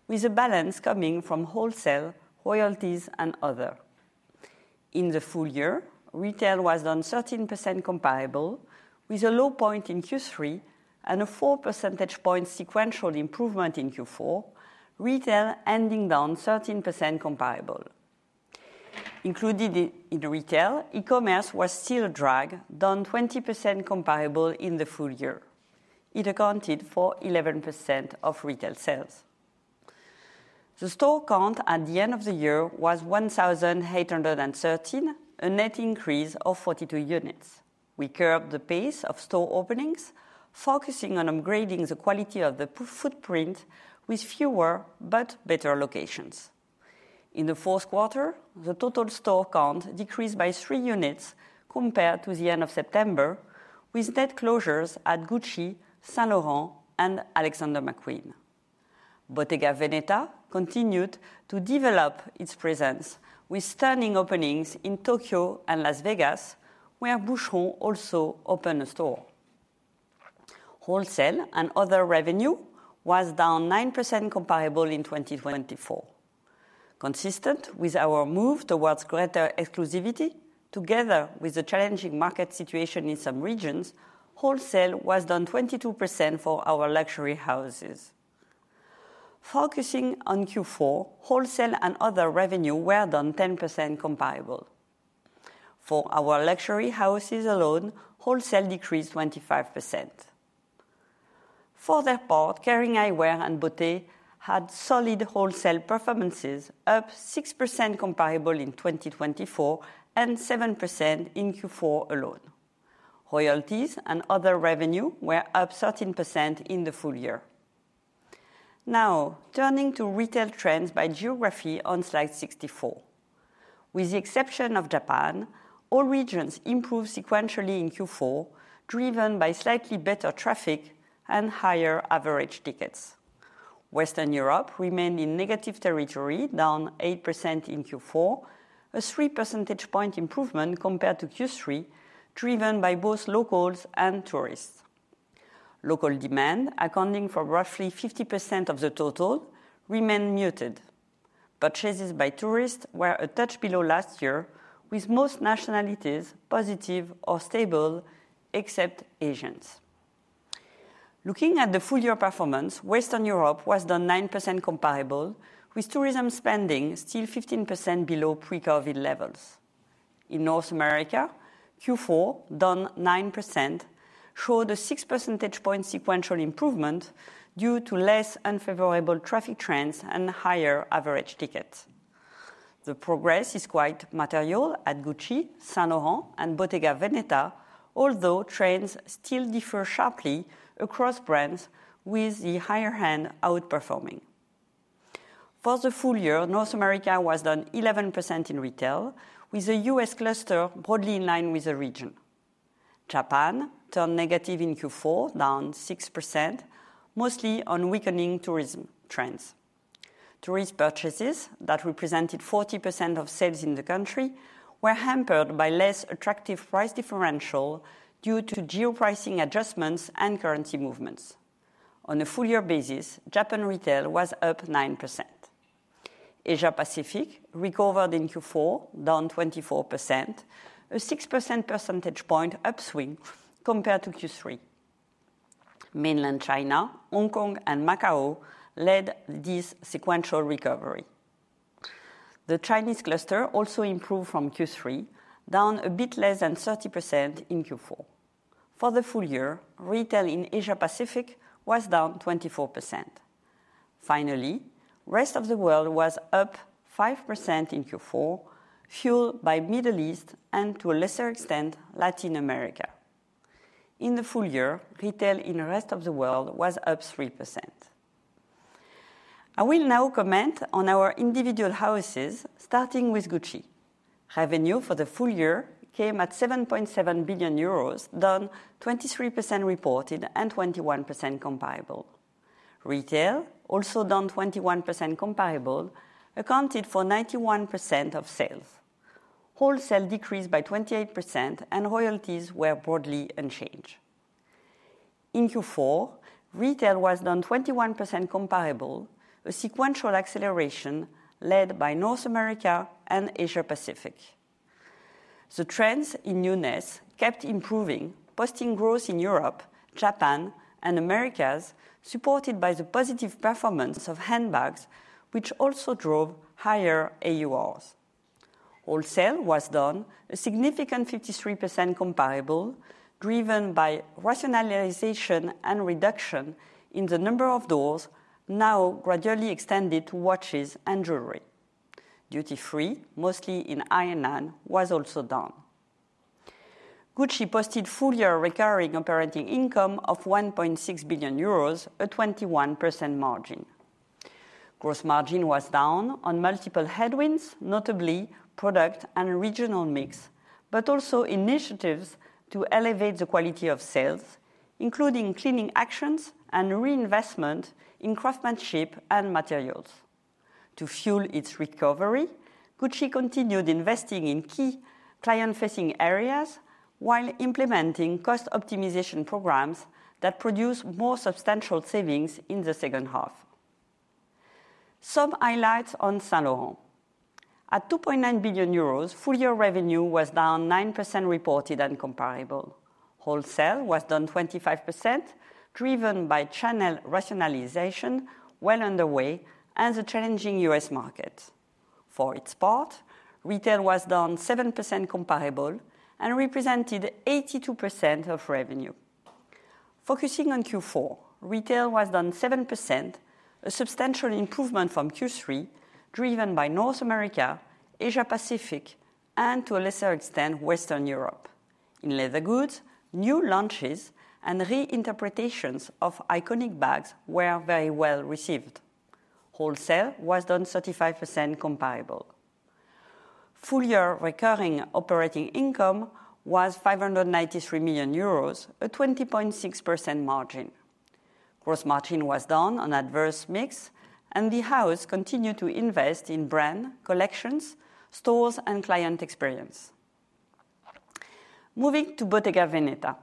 with a balance coming from wholesale, royalties, and other. In the full year, retail was down 13% comparable, with a low point in Q3 and a 4 percentage point sequential improvement in Q4, retail ending down 13% comparable. Included in retail, e-commerce was still a drag, down 20% comparable in the full year. It accounted for 11% of retail sales. The store count at the end of the year was 1,813, a net increase of 42 units. We curbed the pace of store openings, focusing on upgrading the quality of the footprint with fewer but better locations. In the fourth quarter, the total store count decreased by three units compared to the end of September, with net closures at Gucci, Saint Laurent, and Alexander McQueen. Bottega Veneta continued to develop its presence, with stunning openings in Tokyo and Las Vegas, where Boucheron also opened a store. Wholesale and other revenue was down 9% comparable in 2024. Consistent with our move towards greater exclusivity, together with the challenging market situation in some regions, wholesale was down 22% for our luxury houses. Focusing on Q4, wholesale and other revenue were down 10% comparable. For our luxury houses alone, wholesale decreased 25%. For their part, Kering Eyewear and Bottega had solid wholesale performances, up 6% comparable in 2024 and 7% in Q4 alone. Royalties and other revenue were up 13% in the full year. Now, turning to retail trends by geography on slide 64. With the exception of Japan, all regions improved sequentially in Q4, driven by slightly better traffic and higher average tickets. Western Europe remained in negative territory, down 8% in Q4, a 3 percentage point improvement compared to Q3, driven by both locals and tourists. Local demand, accounting for roughly 50% of the total, remained muted. Purchases by tourists were a touch below last year, with most nationalities positive or stable, except Asians. Looking at the full year performance, Western Europe was down 9% comparable, with tourism spending still 15% below pre-COVID levels. In North America, Q4, down 9%, showed a 6 percentage point sequential improvement due to less unfavorable traffic trends and higher average tickets. The progress is quite material at Gucci, Saint Laurent, and Bottega Veneta, although trends still differ sharply across brands, with the higher-end outperforming. For the full year, North America was down 11% in retail, with the U.S. cluster broadly in line with the region. Japan turned negative in Q4, down 6%, mostly on weakening tourism trends. Tourist purchases that represented 40% of sales in the country were hampered by less attractive price differentials due to geopricing adjustments and currency movements. On a full year basis, Japan retail was up 9%. Asia-Pacific recovered in Q4, down 24%, a 6% percentage point upswing compared to Q3. Mainland China, Hong Kong, and Macau led this sequential recovery. The Chinese cluster also improved from Q3, down a bit less than 30% in Q4. For the full year, retail in Asia-Pacific was down 24%. Finally, the rest of the world was up 5% in Q4, fueled by the Middle East and, to a lesser extent, Latin America. In the full year, retail in the rest of the world was up 3%. I will now comment on our individual houses, starting with Gucci. Revenue for the full year came at 7.7 billion euros, down 23% reported and 21% comparable. Retail, also down 21% comparable, accounted for 91% of sales. Wholesale decreased by 28%, and royalties were broadly unchanged. In Q4, retail was down 21% comparable, a sequential acceleration led by North America and Asia-Pacific. The trends in newness kept improving, posting growth in Europe, Japan, and Americas, supported by the positive performance of handbags, which also drove higher AURs. Wholesale was down a significant 53% comparable, driven by rationalization and reduction in the number of doors, now gradually extended to watches and jewelry. Duty-free, mostly in Hainan, was also down. Gucci posted full year recurring operating income of 1.6 billion euros, a 21% margin. Gross margin was down on multiple headwinds, notably product and regional mix, but also initiatives to elevate the quality of sales, including cleaning actions and reinvestment in craftsmanship and materials. To fuel its recovery, Gucci continued investing in key client-facing areas while implementing cost optimization programs that produce more substantial savings in the second half. Some highlights on Saint Laurent. At 2.9 billion euros, full year revenue was down 9% reported and comparable. Wholesale was down 25%, driven by channel rationalization, well underway, and the challenging U.S. market. For its part, retail was down 7% comparable and represented 82% of revenue. Focusing on Q4, retail was down 7%, a substantial improvement from Q3, driven by North America, Asia-Pacific, and, to a lesser extent, Western Europe. In leather goods, new launches and reinterpretations of iconic bags were very well received. Wholesale was down 35% comparable. Full year recurring operating income was 593 million euros, a 20.6% margin. Gross margin was down on adverse mix, and the house continued to invest in brand, collections, stores, and client experience. Moving to Bottega Veneta,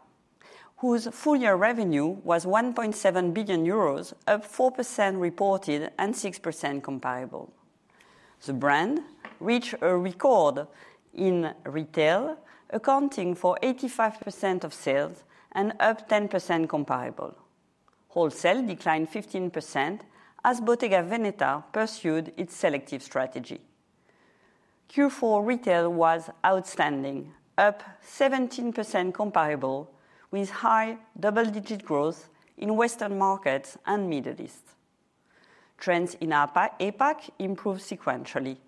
whose full year revenue was 1.7 billion euros, up 4% reported and 6% comparable. The brand reached a record in retail, accounting for 85% of sales and up 10% comparable. Wholesale declined 15% as Bottega Veneta pursued its selective strategy. Q4 retail was outstanding, up 17% comparable, with high double-digit growth in Western markets and Middle East. Trends in APAC improved sequentially.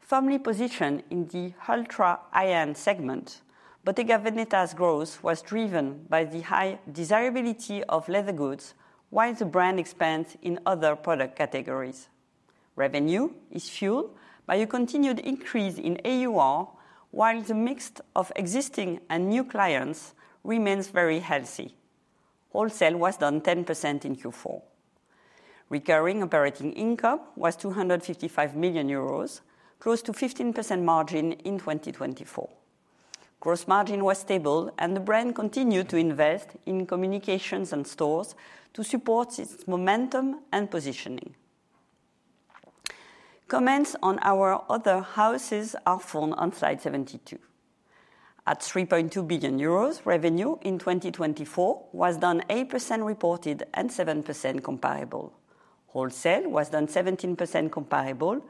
Firmly positioned in the ultra-high-end segment, Bottega Veneta's growth was driven by the high desirability of leather goods, while the brand expands in other product categories. Revenue is fueled by a continued increase in AUR, while the mix of existing and new clients remains very healthy. Wholesale was down 10% in Q4. Recurring operating income was 255 million euros, close to 15% margin in 2024. Gross margin was stable, and the brand continued to invest in communications and stores to support its momentum and positioning. Comments on our other houses are found on Slide 72. At 3.2 billion euros, revenue in 2024 was down 8% reported and 7% comparable. Wholesale was down 17% comparable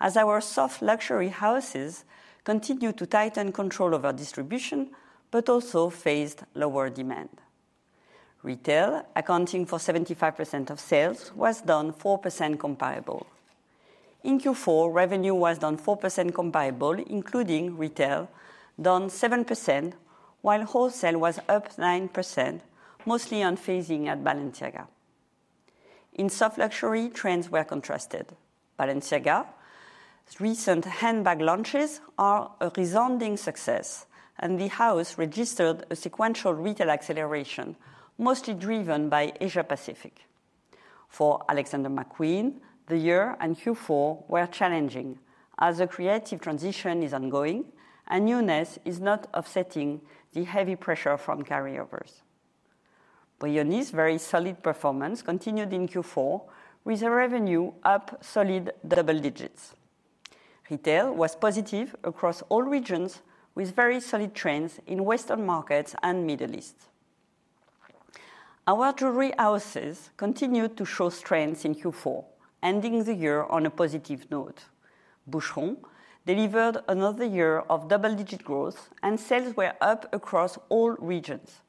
as our soft luxury houses continued to tighten control over distribution, but also faced lower demand. Retail, accounting for 75% of sales, was down 4% comparable. In Q4, revenue was down 4% comparable, including retail, down 7%, while wholesale was up 9%, mostly on phasing at Balenciaga. In soft luxury, trends were contrasted. Balenciaga's recent handbag launches are a resounding success, and the house registered a sequential retail acceleration, mostly driven by Asia-Pacific. For Alexander McQueen, the year and Q4 were challenging, as the creative transition is ongoing and newness is not offsetting the heavy pressure from carryovers. Balenciaga's very solid performance continued in Q4, with a revenue up solid double digits. Retail was positive across all regions, with very solid trends in Western markets and Middle East. Our jewelry houses continued to show strength in Q4, ending the year on a positive note. Boucheron delivered another year of double-digit growth, and sales were up across all regions.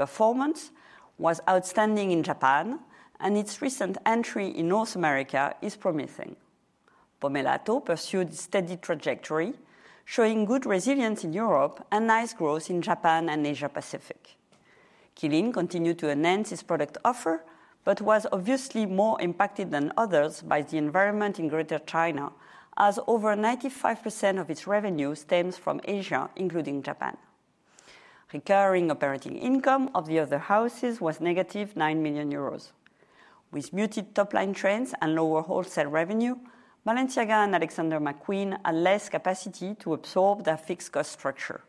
Performance was outstanding in Japan, and its recent entry in North America is promising. Pomellato pursued a steady trajectory, showing good resilience in Europe and nice growth in Japan and Asia-Pacific. Qeelin continued to enhance its product offer, but was obviously more impacted than others by the environment in Greater China, as over 95% of its revenue stems from Asia, including Japan. Recurring operating income of the other houses was negative 9 million euros. With muted top-line trends and lower wholesale revenue, Balenciaga and Alexander McQueen had less capacity to absorb their fixed-cost structure.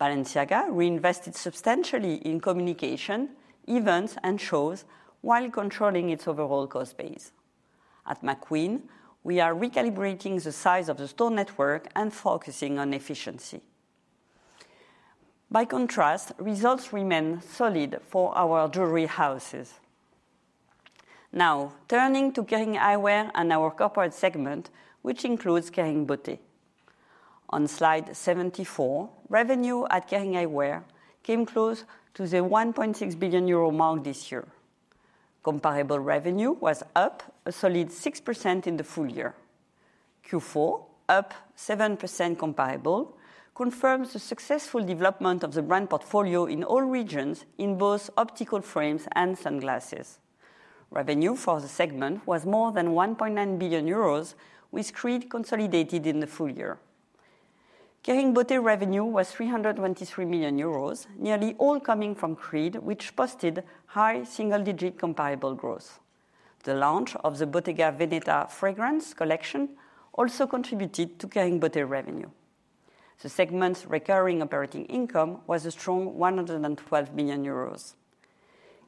Balenciaga reinvested substantially in communication, events, and shows while controlling its overall cost base. At McQueen, we are recalibrating the size of the store network and focusing on efficiency. By contrast, results remain solid for our jewelry houses. Now, turning to Kering Eyewear and our corporate segment, which includes Kering Beauté. On slide 74, revenue at Kering Eyewear came close to the 1.6 billion euro mark this year. Comparable revenue was up a solid 6% in the full year. Q4, up 7% comparable, confirms the successful development of the brand portfolio in all regions in both optical frames and sunglasses. Revenue for the segment was more than 1.9 billion euros, with Creed consolidated in the full year. Kering Beauté revenue was 323 million euros, nearly all coming from Creed, which posted high single-digit comparable growth. The launch of the Bottega Veneta fragrance collection also contributed to Kering Beauté revenue. The segment's recurring operating income was a strong 112 million euros.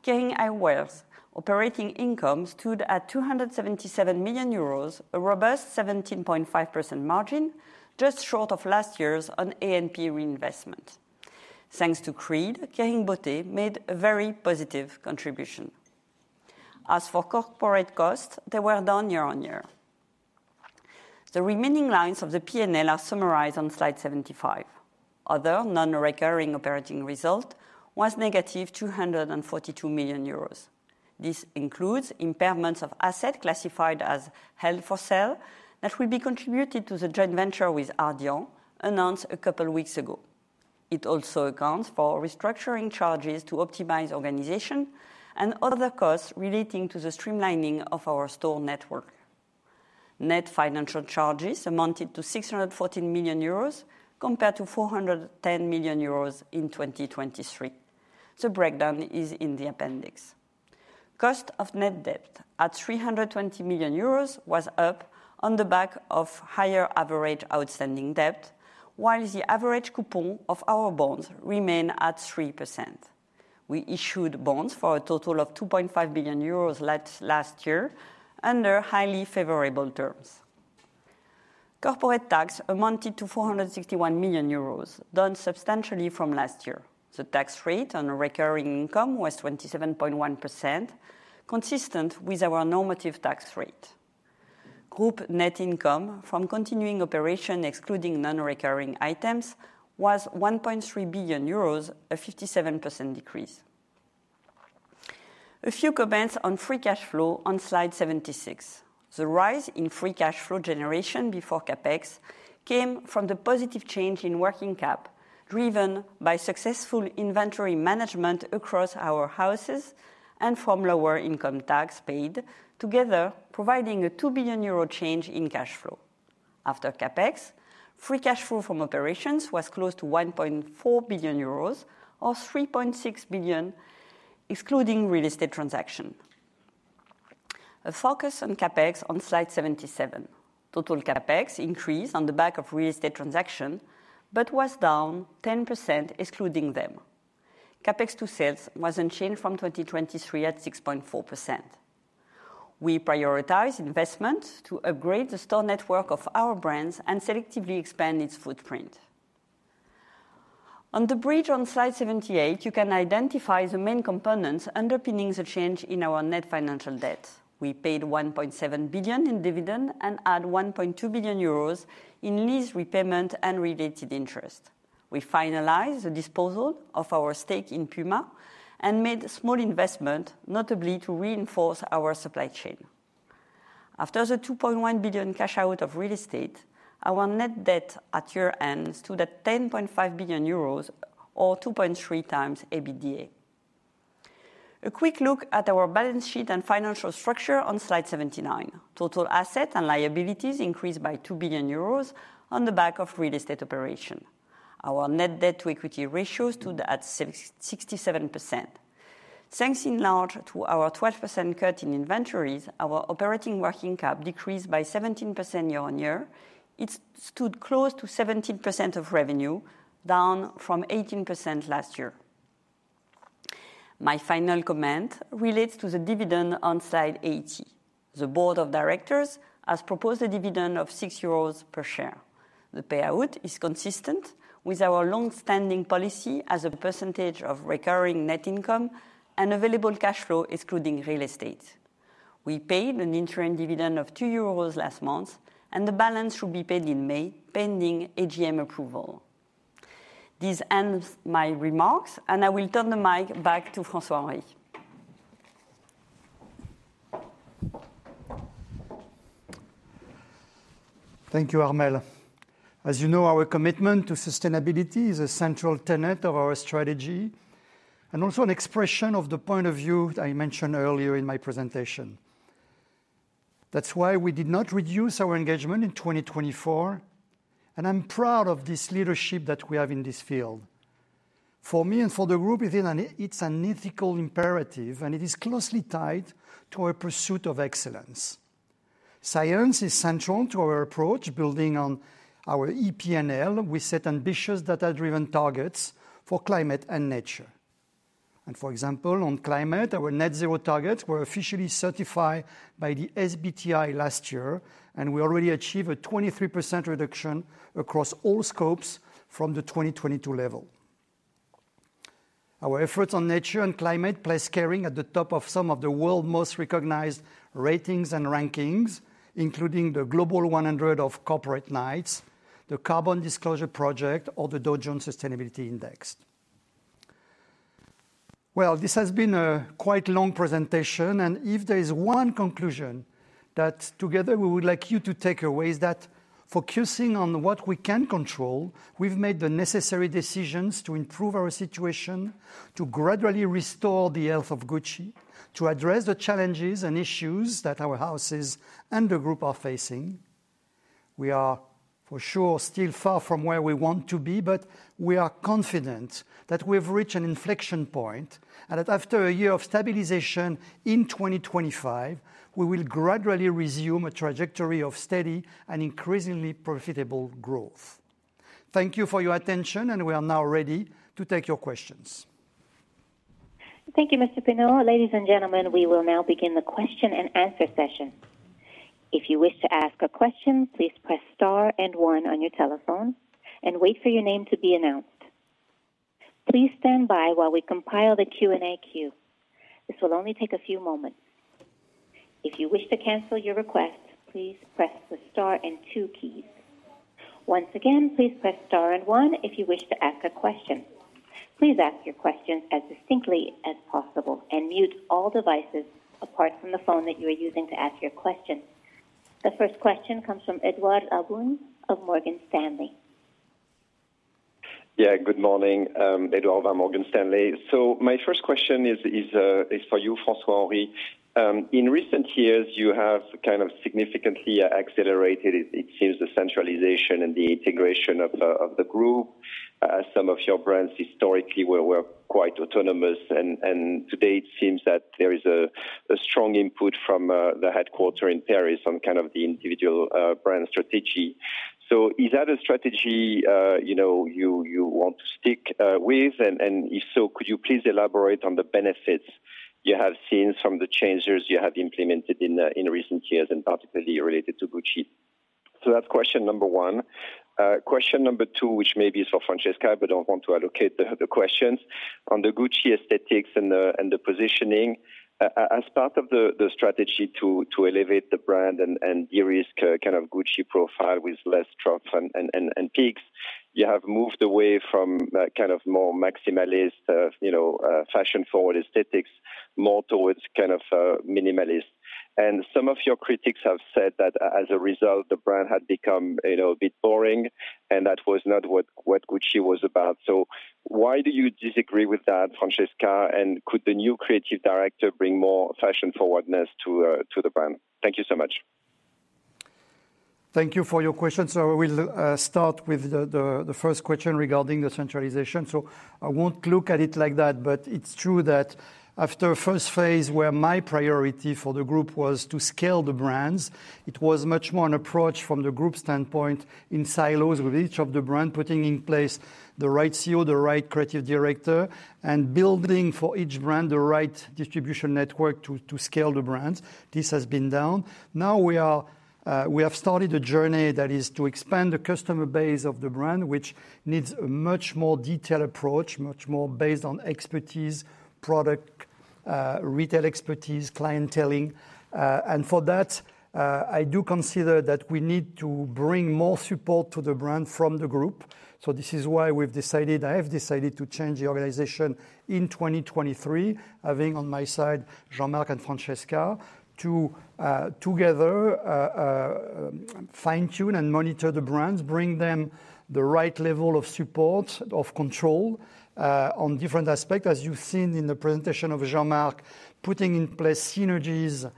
Kering Eyewear's operating income stood at 277 million euros, a robust 17.5% margin, just short of last year's on A&P reinvestment. Thanks to Creed, Kering Beauté made a very positive contribution. As for corporate costs, they were down year on year. The remaining lines of the P&L are summarized on slide 75. Other non-recurring operating result was negative 242 million euros. This includes impairments of assets classified as held for sale that will be contributed to the joint venture with Ardian announced a couple of weeks ago. It also accounts for restructuring charges to optimize organization and other costs relating to the streamlining of our store network. Net financial charges amounted to 614 million euros compared to 410 million euros in 2023. The breakdown is in the appendix. Cost of net debt at 320 million euros was up on the back of higher average outstanding debt, while the average coupon of our bonds remained at 3%. We issued bonds for a total of 2.5 billion euros last year under highly favorable terms. Corporate tax amounted to 461 million euros, down substantially from last year. The tax rate on recurring income was 27.1%, consistent with our normative tax rate. Group net income from continuing operation, excluding non-recurring items, was 1.3 billion euros, a 57% decrease. A few comments on free cash flow on slide 76. The rise in free cash flow generation before CAPEX came from the positive change in working cap, driven by successful inventory management across our houses and from lower income tax paid, together providing a 2 billion euro change in cash flow. After CAPEX, free cash flow from operations was close to 1.4 billion euros or 3.6 billion, excluding real estate transactions. A focus on CAPEX on slide 77. Total CAPEX increased on the back of real estate transactions, but was down 10%, excluding them. CAPEX to sales was unchanged from 2023 at 6.4%. We prioritized investment to upgrade the store network of our brands and selectively expand its footprint. On the bridge on slide 78, you can identify the main components underpinning the change in our net financial debt. We paid 1.7 billion in dividend and add 1.2 billion euros in lease repayment and related interest. We finalized the disposal of our stake in Puma and made small investment, notably to reinforce our supply chain. After the 2.1 billion cash out of real estate, our net debt at year-end stood at 10.5 billion euros, or 2.3 times EBITDA. A quick look at our balance sheet and financial structure on slide 79. Total assets and liabilities increased by 2 billion euros on the back of real estate operation. Our net debt to equity ratios stood at 67%. Thanks in large to our 12% cut in inventories, our operating working cap decreased by 17% year on year. It stood close to 17% of revenue, down from 18% last year. My final comment relates to the dividend on slide 80. The board of directors has proposed a dividend of 6 euros per share. The payout is consistent with our long-standing policy as a percentage of recurring net income and available cash flow, excluding real estate. We paid an interim dividend of 2 euros last month, and the balance should be paid in May, pending AGM approval. This ends my remarks, and I will turn the mic back to François-Henri. Thank you, Armelle. As you know, our commitment to sustainability is a central tenet of our strategy and also an expression of the point of view that I mentioned earlier in my presentation. That's why we did not reduce our engagement in 2024, and I'm proud of this leadership that we have in this field. For me and for the group, it's an ethical imperative, and it is closely tied to our pursuit of excellence. Science is central to our approach, building on our EP&L with set ambitious data-driven targets for climate and nature. For example, on climate, our net zero targets were officially certified by the SBTi last year, and we already achieved a 23% reduction across all scopes from the 2022 level. Our efforts on nature and climate place Kering at the top of some of the world's most recognized ratings and rankings, including the Global 100 of Corporate Knights, the Carbon Disclosure Project, or the Dow Jones Sustainability Index. This has been a quite long presentation, and if there is one conclusion that together we would like you to take away, it's that focusing on what we can control, we've made the necessary decisions to improve our situation, to gradually restore the health of Gucci, to address the challenges and issues that our houses and the group are facing. We are, for sure, still far from where we want to be, but we are confident that we've reached an inflection point and that after a year of stabilization in 2025, we will gradually resume a trajectory of steady and increasingly profitable growth. Thank you for your attention, and we are now ready to take your questions. Thank you, Mr. Pinault. Ladies and gentlemen, we will now begin the question and answer session. If you wish to ask a question, please press star and one on your telephone and wait for your name to be announced. Please stand by while we compile the Q&A queue. This will only take a few moments. If you wish to cancel your request, please press the star and two keys. Once again, please press star and one if you wish to ask a question. Please ask your questions as distinctly as possible and mute all devices apart from the phone that you are using to ask your question. The first question comes from Édouard Aubin of Morgan Stanley. Yeah, good morning. Édouard from Morgan Stanley. So my first question is for you, François-Henri. In recent years, you have kind of significantly accelerated, it seems, the centralization and the integration of the group. Some of your brands historically were quite autonomous, and today it seems that there is a strong input from the headquarters in Paris on kind of the individual brand strategy. So is that a strategy you want to stick with? And if so, could you please elaborate on the benefits you have seen from the changes you have implemented in recent years, and particularly related to Gucci? So that's question number one. Question number two, which maybe is for Francesca, but I don't want to allocate the questions. On the Gucci aesthetics and the positioning, as part of the strategy to elevate the brand and de-risk kind of Gucci profile with less troughs and peaks, you have moved away from kind of more maximalist fashion-forward aesthetics, more towards kind of minimalist, and some of your critics have said that as a result, the brand had become a bit boring, and that was not what Gucci was about, so why do you disagree with that, Francesca, and could the new creative director bring more fashion-forwardness to the brand? Thank you so much. Thank you for your question, so I will start with the first question regarding the centralization. So I won't look at it like that, but it's true that after a first phase where my priority for the group was to scale the brands, it was much more an approach from the group standpoint in silos with each of the brands, putting in place the right CEO, the right creative director, and building for each brand the right distribution network to scale the brands. This has been done. Now we have started a journey that is to expand the customer base of the brand, which needs a much more detailed approach, much more based on expertise, product retail expertise, clienteling. And for that, I do consider that we need to bring more support to the brand from the group. So this is why we've decided. I have decided to change the organization in 2023, having on my side Jean-Marc and Francesca to together fine-tune and monitor the brands, bring them the right level of support, of control on different aspects, as you've seen in the presentation of Jean-Marc, putting in place synergies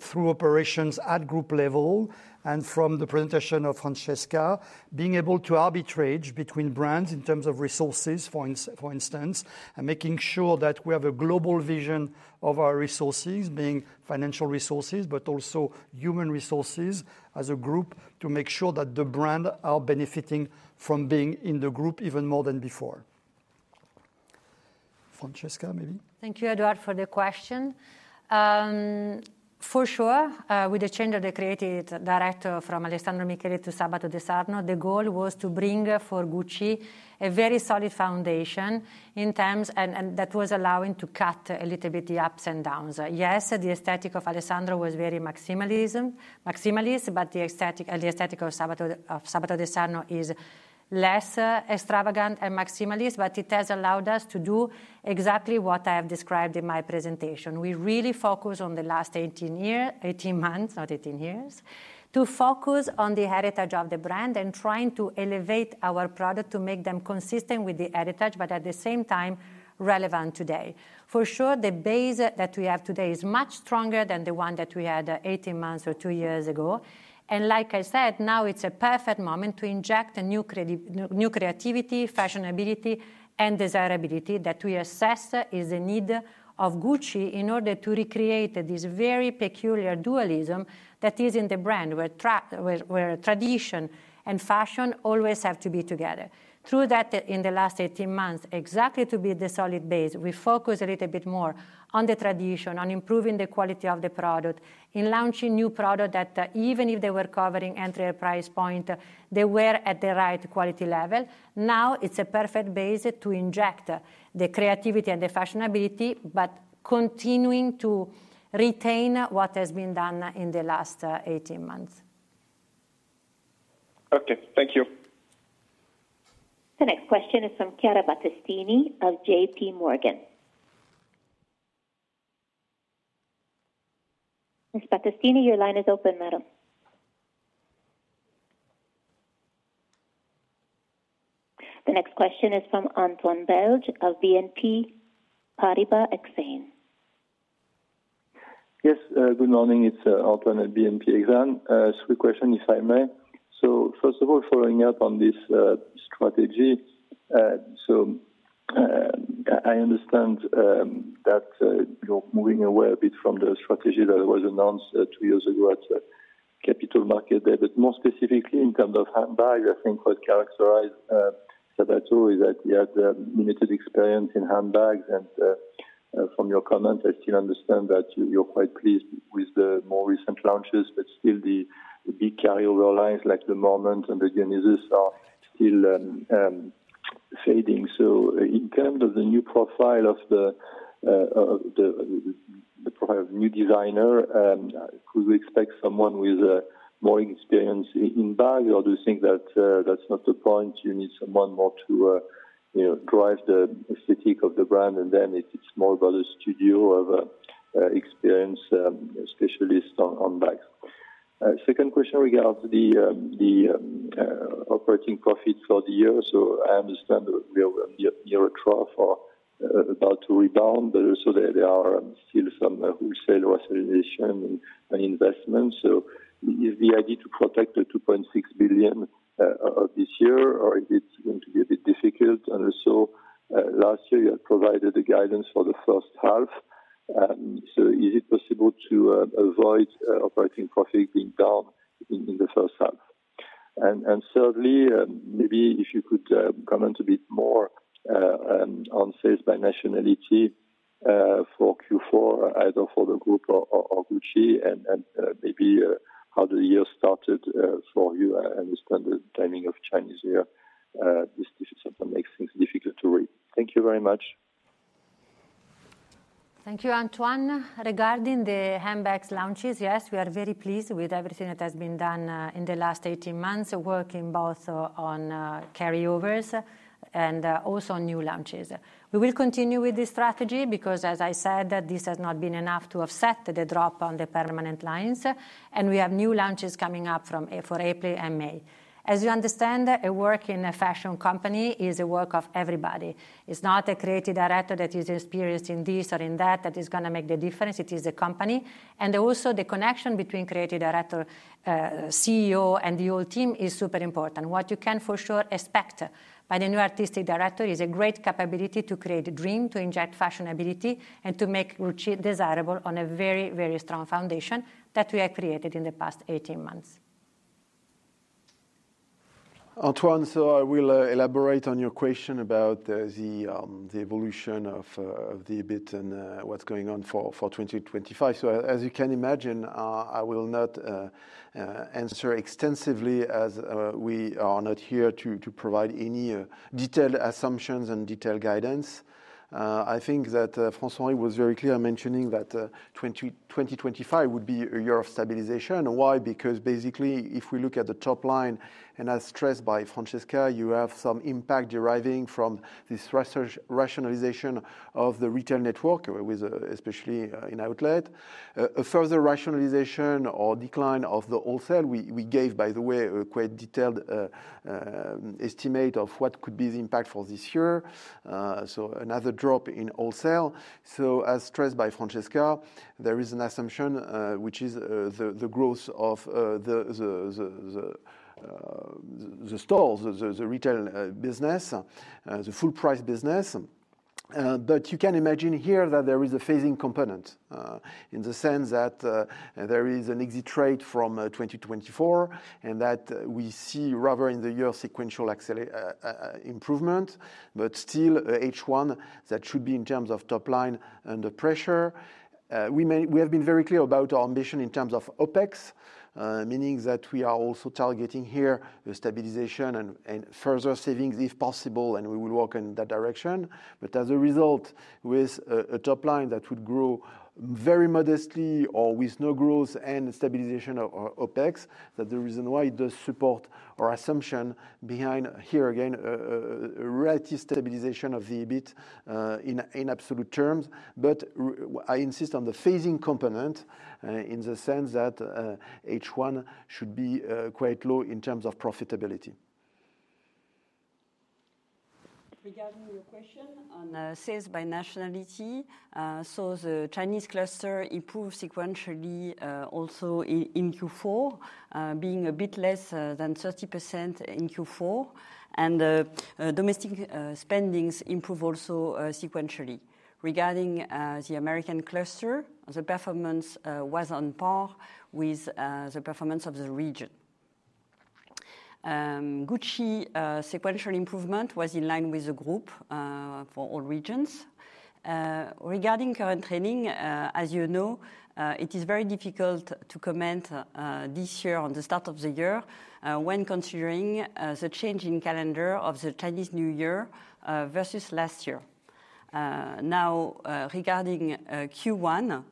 through operations at group level, and from the presentation of Francesca, being able to arbitrate between brands in terms of resources, for instance, and making sure that we have a global vision of our resources, being financial resources, but also human resources as a group to make sure that the brands are benefiting from being in the group even more than before. Francesca, maybe? Thank you, Édouard, for the question. For sure, with the change of the creative director from Alessandro Michele to Sabato De Sarno, the goal was to bring for Gucci a very solid foundation in terms that was allowing to cut a little bit the ups and downs. Yes, the aesthetic of Alessandro was very maximalist, but the aesthetic of Sabato De Sarno is less extravagant and maximalist, but it has allowed us to do exactly what I have described in my presentation. We really focus on the last 18 years, 18 months, not 18 years, to focus on the heritage of the brand and trying to elevate our product to make them consistent with the heritage, but at the same time relevant today. For sure, the base that we have today is much stronger than the one that we had 18 months or two years ago. Like I said, now it's a perfect moment to inject new creativity, fashionability, and desirability that we assess is the need of Gucci in order to recreate this very peculiar dualism that is in the brand, where tradition and fashion always have to be together. Through that, in the last 18 months, exactly to be the solid base, we focus a little bit more on the tradition, on improving the quality of the product, in launching new products that even if they were covering entry price point, they were at the right quality level. Now it's a perfect base to inject the creativity and the fashionability, but continuing to retain what has been done in the last 18 months. Okay, thank you. The next question is from Chiara Battistini of JPMorgan. Ms. Battistini, your line is open, madam. The next question is from Antoine Belge of BNP Paribas Exane. Yes, good morning. It's Antoine at BNP Exane. A quick question, if I may, so first of all, following up on this strategy, so I understand that you're moving away a bit from the strategy that was announced two years ago at Capital Market Day, but more specifically in terms of handbags, I think what characterized Sabato is that he had limited experience in handbags, and from your comment, I still understand that you're quite pleased with the more recent launches, but still the big carryover lines like the Marmont and the Dionysus are still fading, so in terms of the new profile of the new designer, could we expect someone with more experience in bags? Or do you think that that's not the point? You need someone more to drive the aesthetic of the brand, and then it's more about the studio of experienced specialists on bags. Second question regards the operating profit for the year. So I understand that we are near a trough or about to rebound, but also there are still some wholesale revisions and investments. So is the idea to protect 2.6 billion this year, or is it going to be a bit difficult? And also, last year, you had provided the guidance for the first half. So is it possible to avoid operating profit being down in the first half? And thirdly, maybe if you could comment a bit more on sales by nationality for Q4, either for the group or Gucci, and maybe how the year started for you, and the standard timing of Chinese New Year. This makes things difficult to read. Thank you very much. Thank you, Antoine. Regarding the handbags launches, yes, we are very pleased with everything that has been done in the last 18 months, working both on carryovers and also new launches. We will continue with this strategy because, as I said, this has not been enough to offset the drop on the permanent lines, and we have new launches coming up for April and May. As you understand, a work in a fashion company is a work of everybody. It's not a creative director that is experienced in this or in that that is going to make the difference. It is a company. And also, the connection between creative director, CEO, and the whole team is super important. What you can for sure expect by the new artistic director is a great capability to create a dream, to inject fashionability, and to make Gucci desirable on a very, very strong foundation that we have created in the past 18 months. Antoine, so I will elaborate on your question about the evolution of the EBIT and what's going on for 2025. So as you can imagine, I will not answer extensively as we are not here to provide any detailed assumptions and detailed guidance. I think that François-Henri was very clear in mentioning that 2025 would be a year of stabilization. Why? Because basically, if we look at the top line, and as stressed by Francesca, you have some impact deriving from this rationalization of the retail network, especially in outlet. A further rationalization or decline of the wholesale. We gave, by the way, a quite detailed estimate of what could be the impact for this year. So another drop in wholesale. So as stressed by Francesca, there is an assumption, which is the growth of the stores, the retail business, the full-price business. But you can imagine here that there is a phasing component in the sense that there is an exit rate from 2024, and that we see rather in the year sequential improvement, but still H1, that should be in terms of top line under pressure. We have been very clear about our ambition in terms of OPEX, meaning that we are also targeting here the stabilization and further savings if possible, and we will work in that direction. As a result, with a top line that would grow very modestly or with no growth and stabilization of OPEX, that's the reason why it does support our assumption behind here again, a relative stabilization of the EBIT in absolute terms. I insist on the phasing component in the sense that H1 should be quite low in terms of profitability. Regarding your question on sales by nationality, the Chinese cluster improved sequentially also in Q4, being a bit less than 30% in Q4, and domestic spendings improved also sequentially. Regarding the American cluster, the performance was on par with the performance of the region. Gucci's sequential improvement was in line with the group for all regions. Regarding current trading, as you know, it is very difficult to comment this year on the start of the year when considering the change in calendar of the Chinese New Year versus last year. Now, regarding Q1,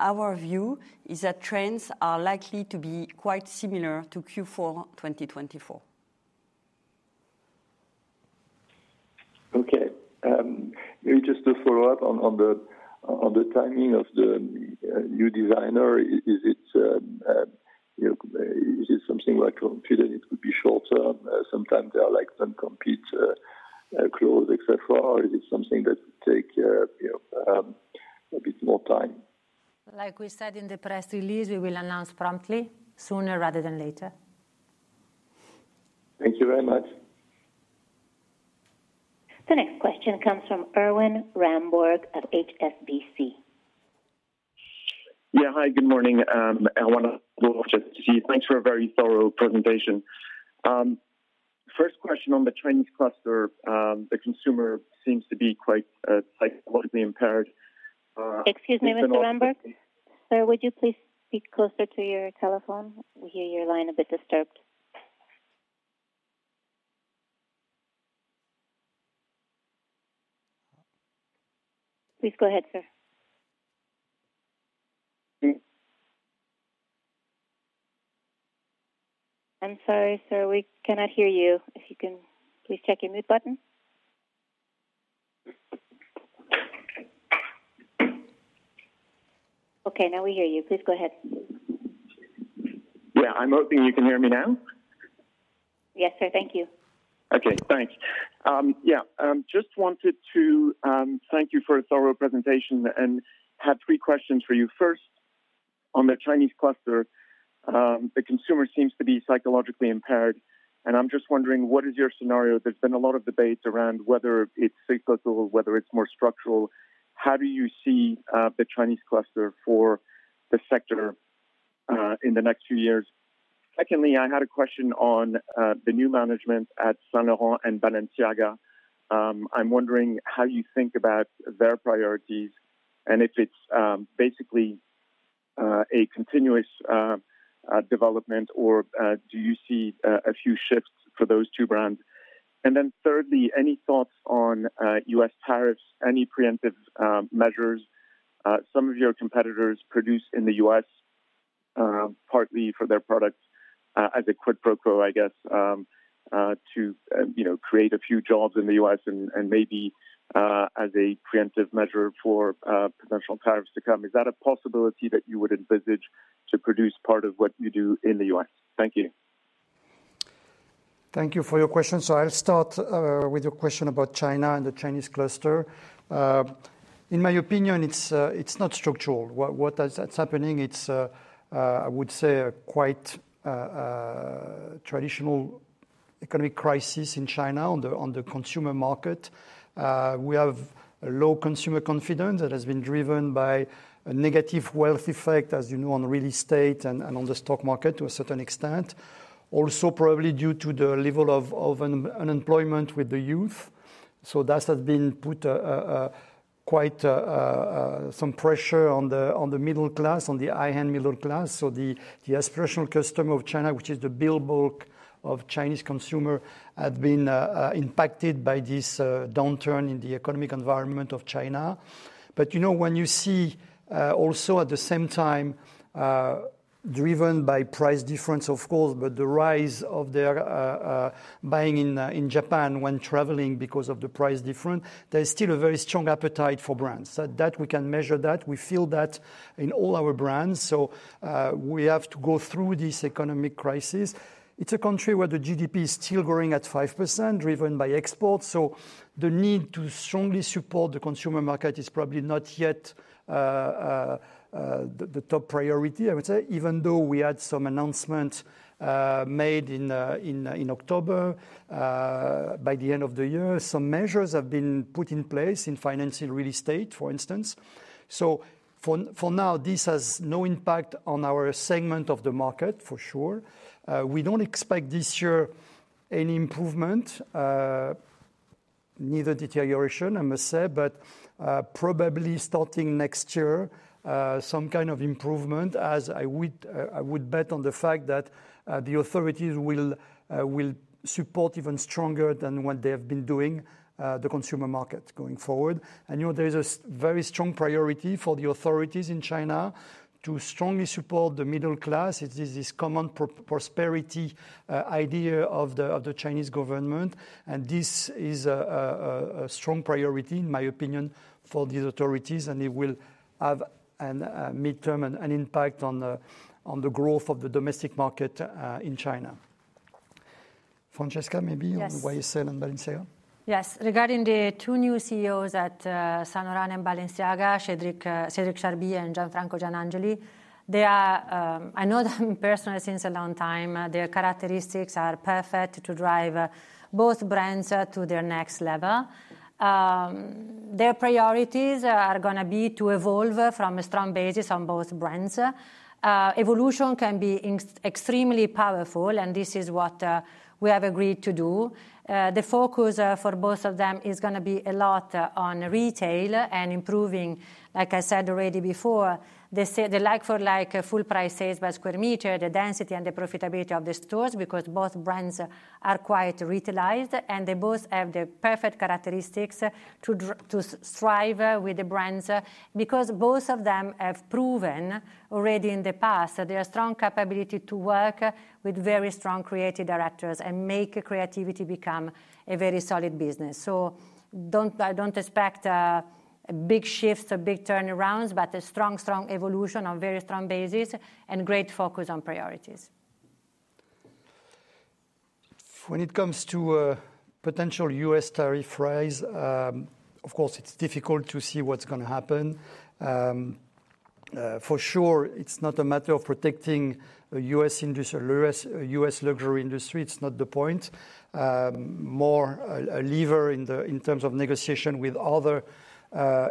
our view is that trends are likely to be quite similar to Q4 2024. Okay. Maybe just to follow up on the timing of the new designer, is it something that you feel that it could be shorter? Sometimes there are like non-compete clauses, etc., or is it something that would take a bit more time? Like we said in the press release, we will announce promptly, sooner rather than later. Thank you very much. The next question comes from Erwan Rambourg of HSBC. Yeah, hi, good morning. Erwin, thanks for a very thorough presentation. First question on the Chinese cluster, the consumer seems to be quite psychologically impaired. Excuse me, Mr. Rambourg? Sir, would you please speak closer to your telephone? We hear your line a bit disturbed. Please go ahead, sir. I'm sorry, sir, we cannot hear you. If you can please check your mute button. Okay, now we hear you. Please go ahead. Yeah, I'm hoping you can hear me now. Yes, sir, thank you. Okay, thanks. Yeah, just wanted to thank you for a thorough presentation and have three questions for you. First, on the Chinese cluster, the consumer seems to be psychologically impaired. And I'm just wondering, what is your scenario? There's been a lot of debates around whether it's psychological, whether it's more structural. How do you see the Chinese cluster for the sector in the next few years? Secondly, I had a question on the new management at Saint Laurent and Balenciaga. I'm wondering how you think about their priorities and if it's basically a continuous development, or do you see a few shifts for those two brands? And then thirdly, any thoughts on U.S. tariffs, any preemptive measures? Some of your competitors produce in the U.S., partly for their products as a quid pro quo, I guess, to create a few jobs in the U.S. and maybe as a preemptive measure for potential tariffs to come. Is that a possibility that you would envisage to produce part of what you do in the U.S.? Thank you. Thank you for your question. So I'll start with your question about China and the Chinese cluster. In my opinion, it's not structural. What's happening is, I would say, quite a traditional economic crisis in China on the consumer market. We have low consumer confidence that has been driven by a negative wealth effect, as you know, on real estate and on the stock market to a certain extent. Also, probably due to the level of unemployment with the youth, so that has been put quite some pressure on the middle class, on the high-end middle class, so the aspirational customer of China, which is the billboard of Chinese consumers, has been impacted by this downturn in the economic environment of China, but when you see also at the same time driven by price difference, of course, but the rise of their buying in Japan when traveling because of the price difference, there is still a very strong appetite for brands. That we can measure, that we feel that in all our brands, so we have to go through this economic crisis. It's a country where the GDP is still growing at 5%, driven by exports. So the need to strongly support the consumer market is probably not yet the top priority, I would say, even though we had some announcements made in October by the end of the year. Some measures have been put in place in financing real estate, for instance. So for now, this has no impact on our segment of the market, for sure. We don't expect this year any improvement, neither deterioration, I must say, but probably starting next year, some kind of improvement, as I would bet on the fact that the authorities will support even stronger than what they have been doing the consumer market going forward. And there is a very strong priority for the authorities in China to strongly support the middle class. It is this common prosperity idea of the Chinese government. This is a strong priority, in my opinion, for these authorities, and it will have a midterm impact on the growth of the domestic market in China. Francesca, maybe on YSL and Balenciaga? Yes, regarding the two new CEOs at Saint Laurent and Balenciaga, Cédric Charbit and Gianfranco Gianangeli, they are. I know them personally since a long time. Their characteristics are perfect to drive both brands to their next level. Their priorities are going to be to evolve from a strong basis on both brands. Evolution can be extremely powerful, and this is what we have agreed to do. The focus for both of them is going to be a lot on retail and improving, like I said already before, the like-for-like full prices by square meter, the density, and the profitability of the stores because both brands are quite retailized, and they both have the perfect characteristics to strive with the brands because both of them have proven already in the past their strong capability to work with very strong creative directors and make creativity become a very solid business. So I don't expect big shifts or big turnarounds, but a strong, strong evolution on a very strong basis and great focus on priorities. When it comes to potential U.S. tariff rise, of course, it's difficult to see what's going to happen. For sure, it's not a matter of protecting the U.S. industry or U.S. luxury industry. It's not the point. More a lever in terms of negotiation with other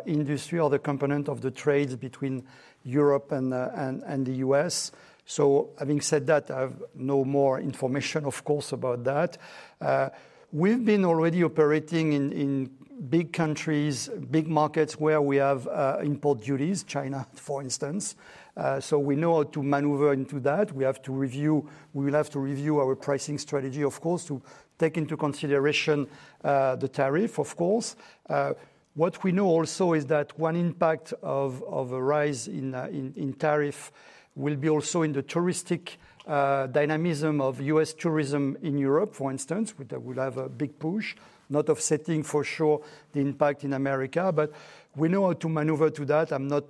industries, other components of the trade between Europe and the U.S. So having said that, I have no more information, of course, about that. We've been already operating in big countries, big markets where we have import duties, China, for instance. So we know how to maneuver into that. We have to review, we will have to review our pricing strategy, of course, to take into consideration the tariff, of course. What we know also is that one impact of a rise in tariff will be also in the touristic dynamism of U.S. tourism in Europe, for instance, which will have a big push, not offsetting for sure the impact in America. But we know how to maneuver to that. I'm not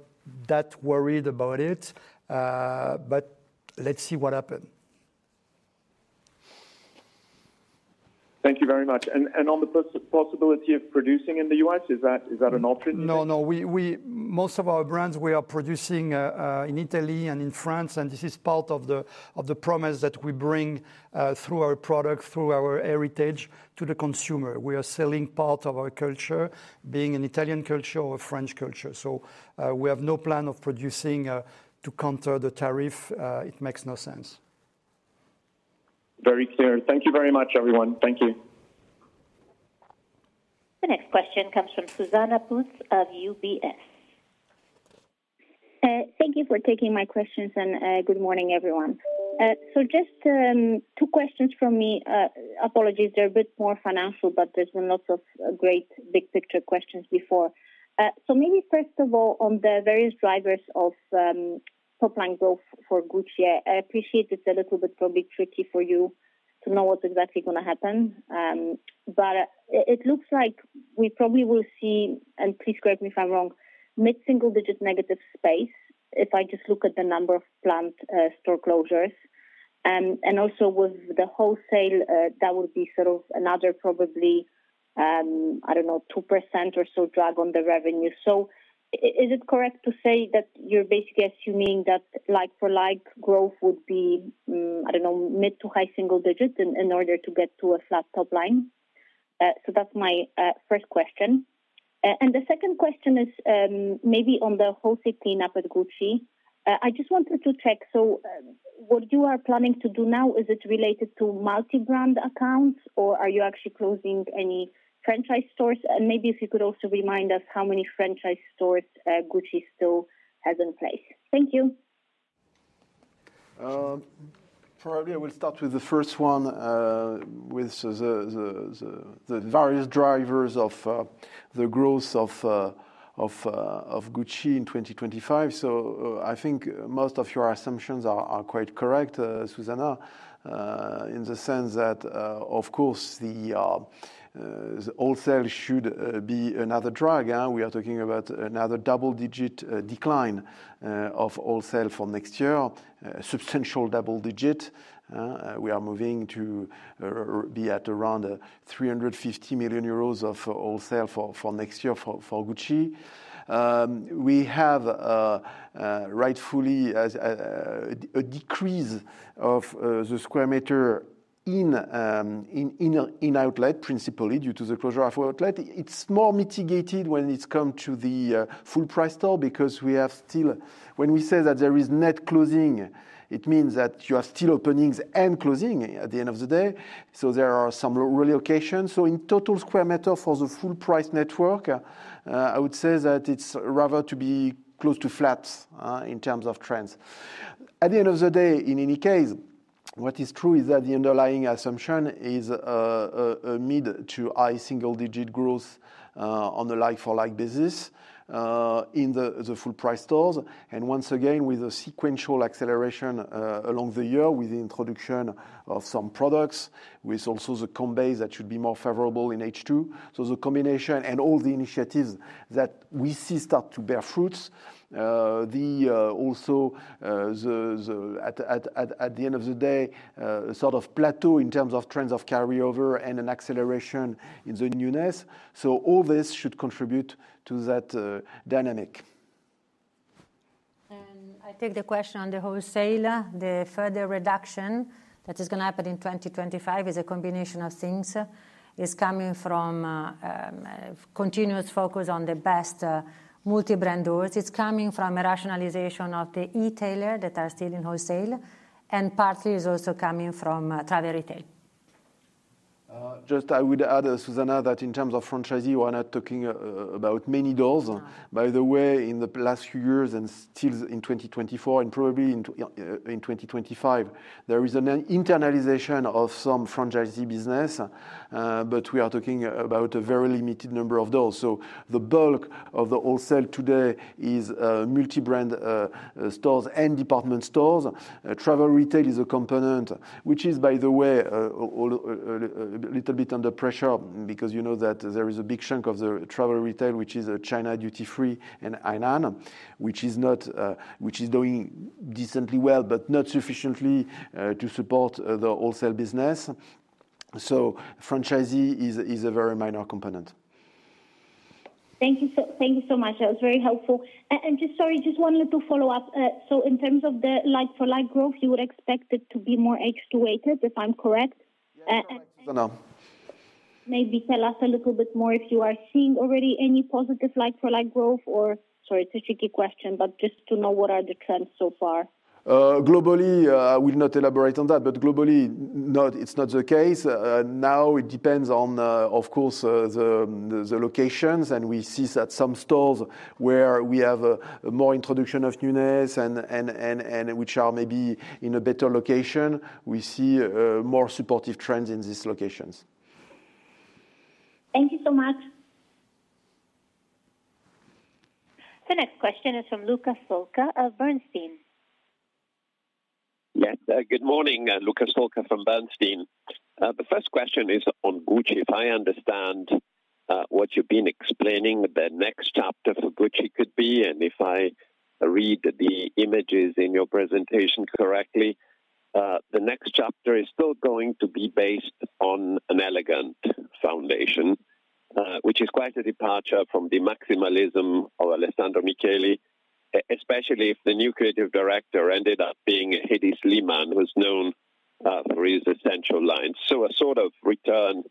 that worried about it, but let's see what happens. Thank you very much. On the possibility of producing in the US, is that an option? No, no. Most of our brands, we are producing in Italy and in France, and this is part of the promise that we bring through our products, through our heritage to the consumer. We are selling part of our culture, being an Italian culture or a French culture. We have no plan of producing to counter the tariff. It makes no sense. Very clear. Thank you very much, everyone. Thank you. The next question comes from Zuzanna Pusz of UBS. Thank you for taking my questions, and good morning, everyone. Just two questions from me. Apologies, they're a bit more financial, but there's been lots of great big picture questions before. So maybe first of all, on the various drivers of top line growth for Gucci, I appreciate it's a little bit probably tricky for you to know what's exactly going to happen, but it looks like we probably will see, and please correct me if I'm wrong, mid-single-digit negative sales if I just look at the number of planned store closures. And also with the wholesale, that would be sort of another probably, I don't know, 2% or so drag on the revenue. So is it correct to say that you're basically assuming that like-for-like growth would be, I don't know, mid- to high-single-digit in order to get to a flat top line? So that's my first question. And the second question is maybe on the wholesale cleanup at Gucci. I just wanted to check. What you are planning to do now, is it related to multi-brand accounts, or are you actually closing any franchise stores? And maybe if you could also remind us how many franchise stores Gucci still has in place. Thank you. Probably I will start with the first one with the various drivers of the growth of Gucci in 2025. I think most of your assumptions are quite correct, Susanna, in the sense that, of course, the wholesale should be another drag. We are talking about another double-digit decline of wholesale for next year, a substantial double digit. We are moving to be at around 350 million euros of wholesale for next year for Gucci. We have rightfully a decrease of the square meter in outlet principally due to the closure of outlet. It's more mitigated when it comes to the full price store because we have still, when we say that there is net closing, it means that you are still opening and closing at the end of the day. So there are some relocations. So in total square meter for the full price network, I would say that it's rather to be close to flat in terms of trends. At the end of the day, in any case, what is true is that the underlying assumption is a mid to high single digit growth on a like-for-like basis in the full price stores. And once again, with a sequential acceleration along the year with the introduction of some products, with also the comparables that should be more favorable in H2. So the combination and all the initiatives that we see start to bear fruit. Also, at the end of the day, a sort of plateau in terms of trends of carryover and an acceleration in the newness. So all this should contribute to that dynamic. And I take the question on the wholesale. The further reduction that is going to happen in 2025 is a combination of things. It's coming from continuous focus on the best multi-brand doors. It's coming from a rationalization of the e-tailer that are still in wholesale, and partly is also coming from travel retail. Just I would add, Susanna, that in terms of franchise, you are not talking about many doors. By the way, in the last few years and still in 2024 and probably in 2025, there is an internalization of some franchisee business, but we are talking about a very limited number of doors. So the bulk of the wholesale today is multi-brand stores and department stores. Travel retail is a component, which is, by the way, a little bit under pressure because you know that there is a big chunk of the travel retail, which is China Duty Free and Hainan, which is doing decently well, but not sufficiently to support the wholesale business. So franchisee is a very minor component. Thank you so much. That was very helpful. And sorry, just one little follow-up. So in terms of the like-for-like growth, you would expect it to be more accelerated, if I'm correct? Yes, I think so. Maybe tell us a little bit more if you are seeing already any positive like-for-like growth or, sorry, it's a tricky question, but just to know what are the trends so far. Globally, I will not elaborate on that, but globally, no, it's not the case. Now it depends on, of course, the locations, and we see that some stores where we have more introduction of newness and which are maybe in a better location, we see more supportive trends in these locations. Thank you so much. The next question is from Luca Solca of Bernstein. Yes, good morning, Luca Solca from Bernstein. The first question is on Gucci. If I understand what you've been explaining, the next chapter for Gucci could be, and if I read the images in your presentation correctly, the next chapter is still going to be based on an elegant foundation, which is quite a departure from the maximalism of Alessandro Michele, especially if the new creative director ended up being a Hedi Slimane, who's known for his essential lines. So a sort of return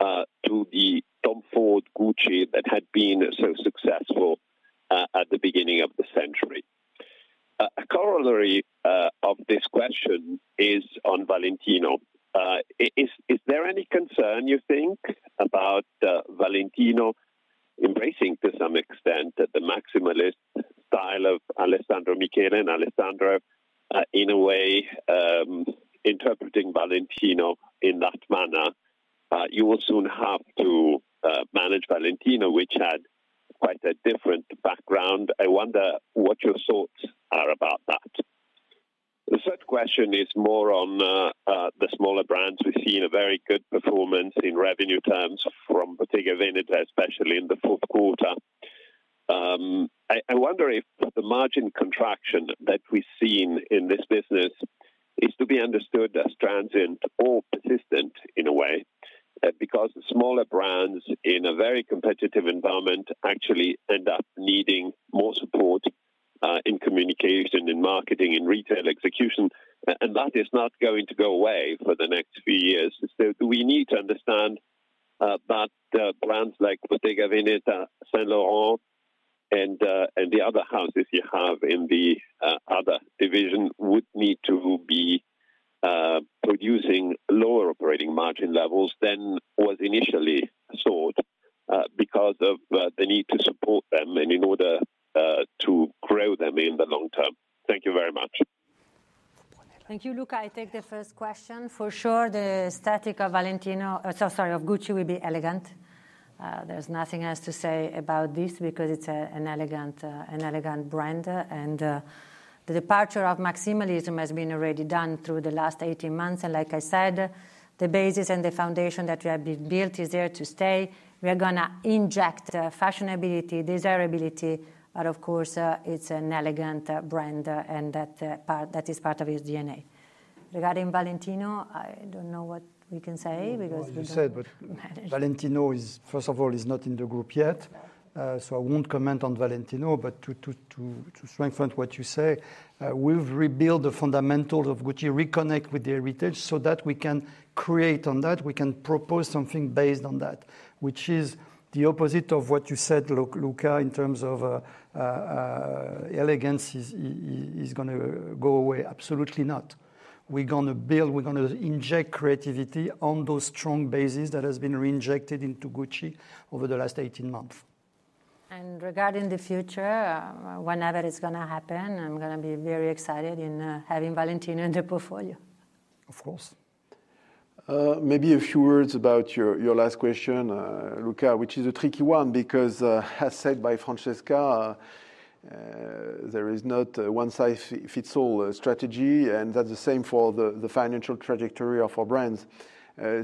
to the Tom Ford Gucci that had been so successful at the beginning of the century. A corollary of this question is on Valentino. Is there any concern, you think, about Valentino embracing to some extent the maximalist style of Alessandro Michele and Alessandro, in a way, interpreting Valentino in that manner? You will soon have to manage Valentino, which had quite a different background. I wonder what your thoughts are about that. The third question is more on the smaller brands. We've seen a very good performance in revenue terms from Bottega Veneta, especially in the fourth quarter. I wonder if the margin contraction that we've seen in this business is to be understood as transient or persistent in a way, because smaller brands in a very competitive environment actually end up needing more support in communication, in marketing, in retail execution, and that is not going to go away for the next few years. So do we need to understand that brands like Bottega Veneta, Saint Laurent, and the other houses you have in the other division would need to be producing lower operating margin levels than was initially thought because of the need to support them and in order to grow them in the long term? Thank you very much. Thank you, Luca. I take the first question. For sure, the stature of Valentino, sorry, of Gucci will be elegant. There's nothing else to say about this because it's an elegant brand. And the departure of maximalism has been already done through the last 18 months. And like I said, the basis and the foundation that we have built is there to stay. We are going to inject fashionability, desirability, but of course, it's an elegant brand and that is part of its DNA. Regarding Valentino, I don't know what we can say because Valentino, first of all, is not in the group yet. So I won't comment on Valentino, but to strengthen what you say, we've rebuilt the fundamentals of Gucci, reconnect with the heritage so that we can create on that. We can propose something based on that, which is the opposite of what you said, Luca, in terms of elegance is going to go away. Absolutely not. We're going to build, we're going to inject creativity on those strong bases that have been reinjected into Gucci over the last 18 months. And regarding the future, whenever it's going to happen, I'm going to be very excited in having Valentino in the portfolio. Of course. Maybe a few words about your last question, Luca, which is a tricky one because, as said by Francesca, there is not a one-size-fits-all strategy, and that's the same for the financial trajectory of our brands.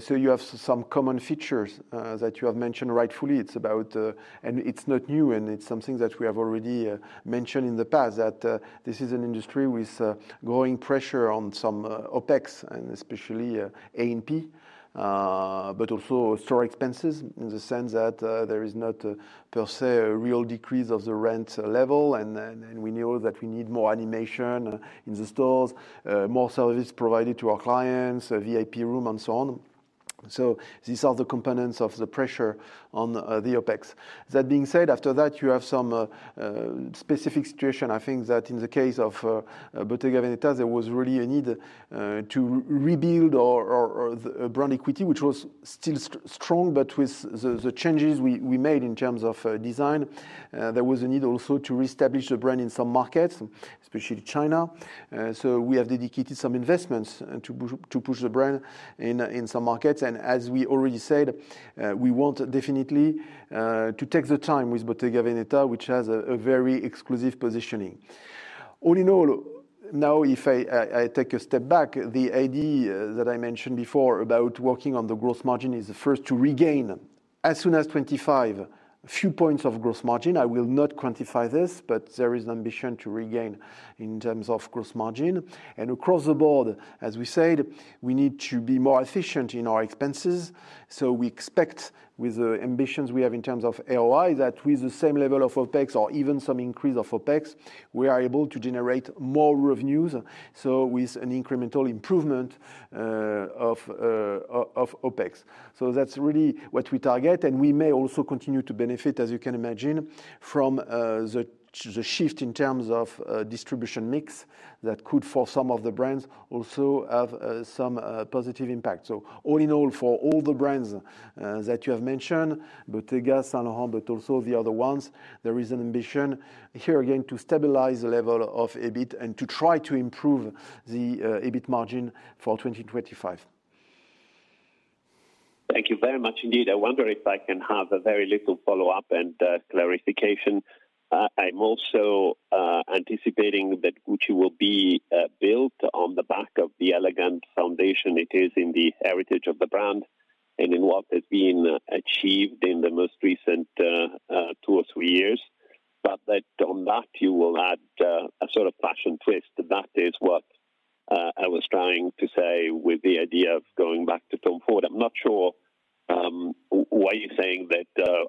So you have some common features that you have mentioned rightfully. It's about, and it's not new, and it's something that we have already mentioned in the past, that this is an industry with growing pressure on some OPEX, and especially A&P, but also store expenses in the sense that there is not per se a real decrease of the rent level. And we know that we need more animation in the stores, more service provided to our clients, VIP room, and so on. So these are the components of the pressure on the OPEX. That being said, after that, you have some specific situation. I think that in the case of Bottega Veneta, there was really a need to rebuild our brand equity, which was still strong, but with the changes we made in terms of design, there was a need also to reestablish the brand in some markets, especially China. So we have dedicated some investments to push the brand in some markets. And as we already said, we want definitely to take the time with Bottega Veneta, which has a very exclusive positioning. All in all, now, if I take a step back, the idea that I mentioned before about working on the gross margin is the first to regain as soon as a few points of gross margin. I will not quantify this, but there is an ambition to regain in terms of gross margin. And across the board, as we said, we need to be more efficient in our expenses. So we expect with the ambitions we have in terms of AOI that with the same level of OPEX or even some increase of OPEX, we are able to generate more revenues. So with an incremental improvement of OPEX. So that's really what we target. And we may also continue to benefit, as you can imagine, from the shift in terms of distribution mix that could, for some of the brands, also have some positive impact. So all in all, for all the brands that you have mentioned, Bottega, Saint Laurent, but also the other ones, there is an ambition here again to stabilize the level of EBIT and to try to improve the EBIT margin for 2025. Thank you very much indeed. I wonder if I can have a very little follow-up and clarification. I'm also anticipating that Gucci will be built on the back of the elegant foundation it is in the heritage of the brand and in what has been achieved in the most recent two or three years. But on that, you will add a sort of fashion twist. That is what I was trying to say with the idea of going back to Tom Ford. I'm not sure why you're saying that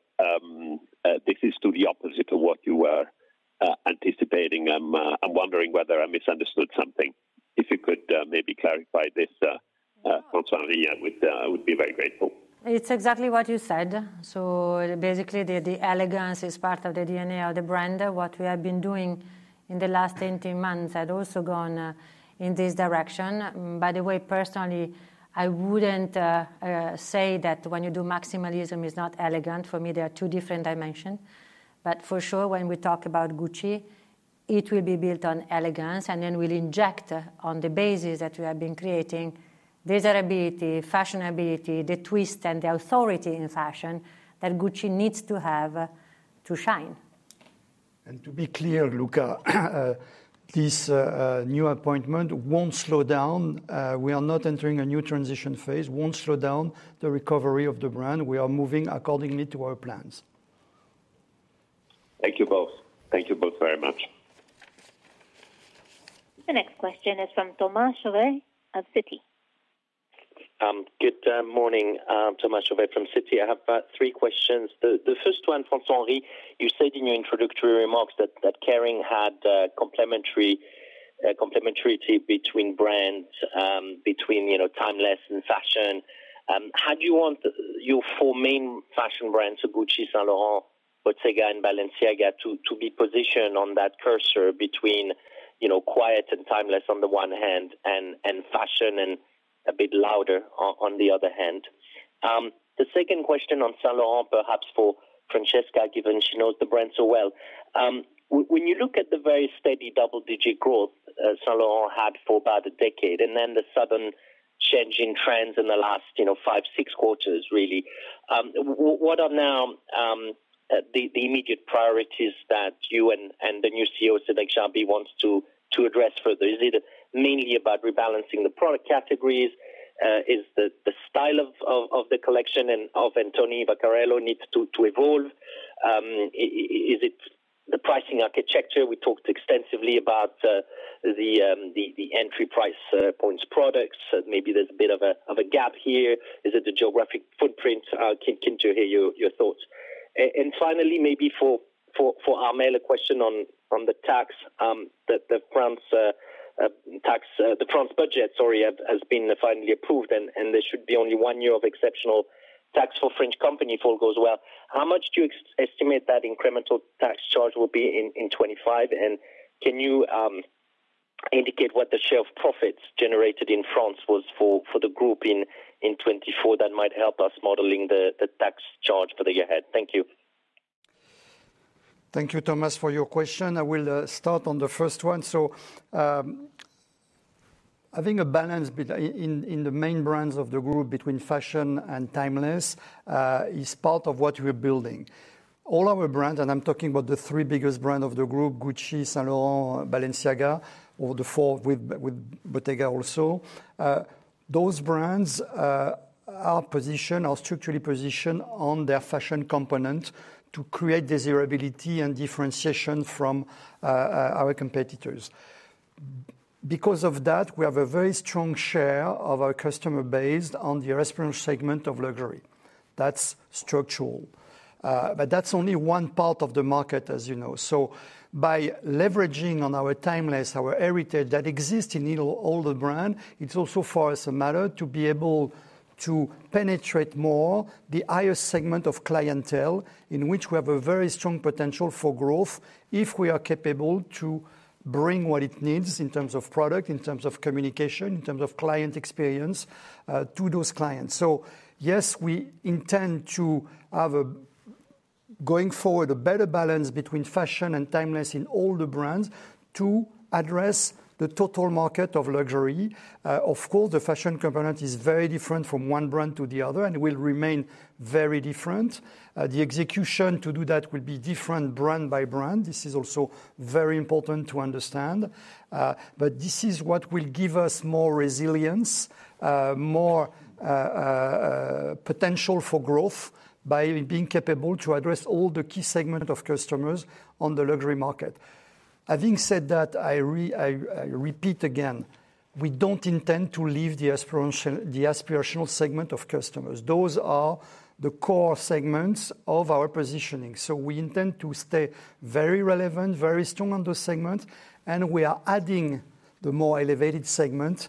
this is to the opposite of what you were anticipating. I'm wondering whether I misunderstood something. If you could maybe clarify this, François-Henri would be very grateful. It's exactly what you said. So basically, the elegance is part of the DNA of the brand. What we have been doing in the last 18 months had also gone in this direction. By the way, personally, I wouldn't say that when you do maximalism, it's not elegant. For me, there are two different dimensions. But for sure, when we talk about Gucci, it will be built on elegance, and then we'll inject on the basis that we have been creating desirability, fashionability, the twist, and the authority in fashion that Gucci needs to have to shine. And to be clear, Luca, this new appointment won't slow down. We are not entering a new transition phase. It won't slow down the recovery of the brand. We are moving accordingly to our plans. Thank you both. Thank you both very much. The next question is from Thomas Chauvet of Citi. Good morning, Thomas Chauvet from Citi. I have three questions. The first one, François-Henri, you said in your introductory remarks that Kering had complementarity between brands, between timeless and fashion. How do you want your four main fashion brands, so Gucci, Saint Laurent, Bottega, and Balenciaga, to be positioned on that cursor between quiet and timeless on the one hand and fashion and a bit louder on the other hand? The second question on Saint Laurent, perhaps for Francesca, given she knows the brand so well. When you look at the very steady double-digit growth Saint Laurent had for about a decade and then the sudden change in trends in the last five, six quarters, really, what are now the immediate priorities that you and the new CEO, Cédric Charbit, want to address further? Is it mainly about rebalancing the product categories? Is the style of the collection and of Anthony Vaccarello need to evolve? Is it the pricing architecture? We talked extensively about the entry price points products. Maybe there's a bit of a gap here. Is it the geographic footprint? I'll continue to hear your thoughts. And finally, maybe for Armelle, a question on the tax, the French budget, sorry, has been finally approved, and there should be only one year of exceptional tax for French companies if all goes well. How much do you estimate that incremental tax charge will be in 2025? And can you indicate what the share of profits generated in France was for the group in 2024? That might help us modeling the tax charge for the year ahead. Thank you. Thank you, Thomas, for your question. I will start on the first one, so having a balance in the main brands of the group between fashion and timeless is part of what we're building. All our brands, and I'm talking about the three biggest brands of the group, Gucci, Saint Laurent, Balenciaga, or the four with Bottega also, those brands are structurally positioned on their fashion component to create desirability and differentiation from our competitors. Because of that, we have a very strong share of our customer base on the prestige segment of luxury. That's structural. But that's only one part of the market, as you know. So by leveraging on our timeless, our heritage that exists in all the brands, it's also for us a matter to be able to penetrate more the highest segment of clientele in which we have a very strong potential for growth if we are capable to bring what it needs in terms of product, in terms of communication, in terms of client experience to those clients. So yes, we intend to have, going forward, a better balance between fashion and timeless in all the brands to address the total market of luxury. Of course, the fashion component is very different from one brand to the other and will remain very different. The execution to do that will be different brand by brand. This is also very important to understand. But this is what will give us more resilience, more potential for growth by being capable to address all the key segment of customers on the luxury market. Having said that, I repeat again, we don't intend to leave the aspirational segment of customers. Those are the core segments of our positioning. So we intend to stay very relevant, very strong on those segments, and we are adding the more elevated segments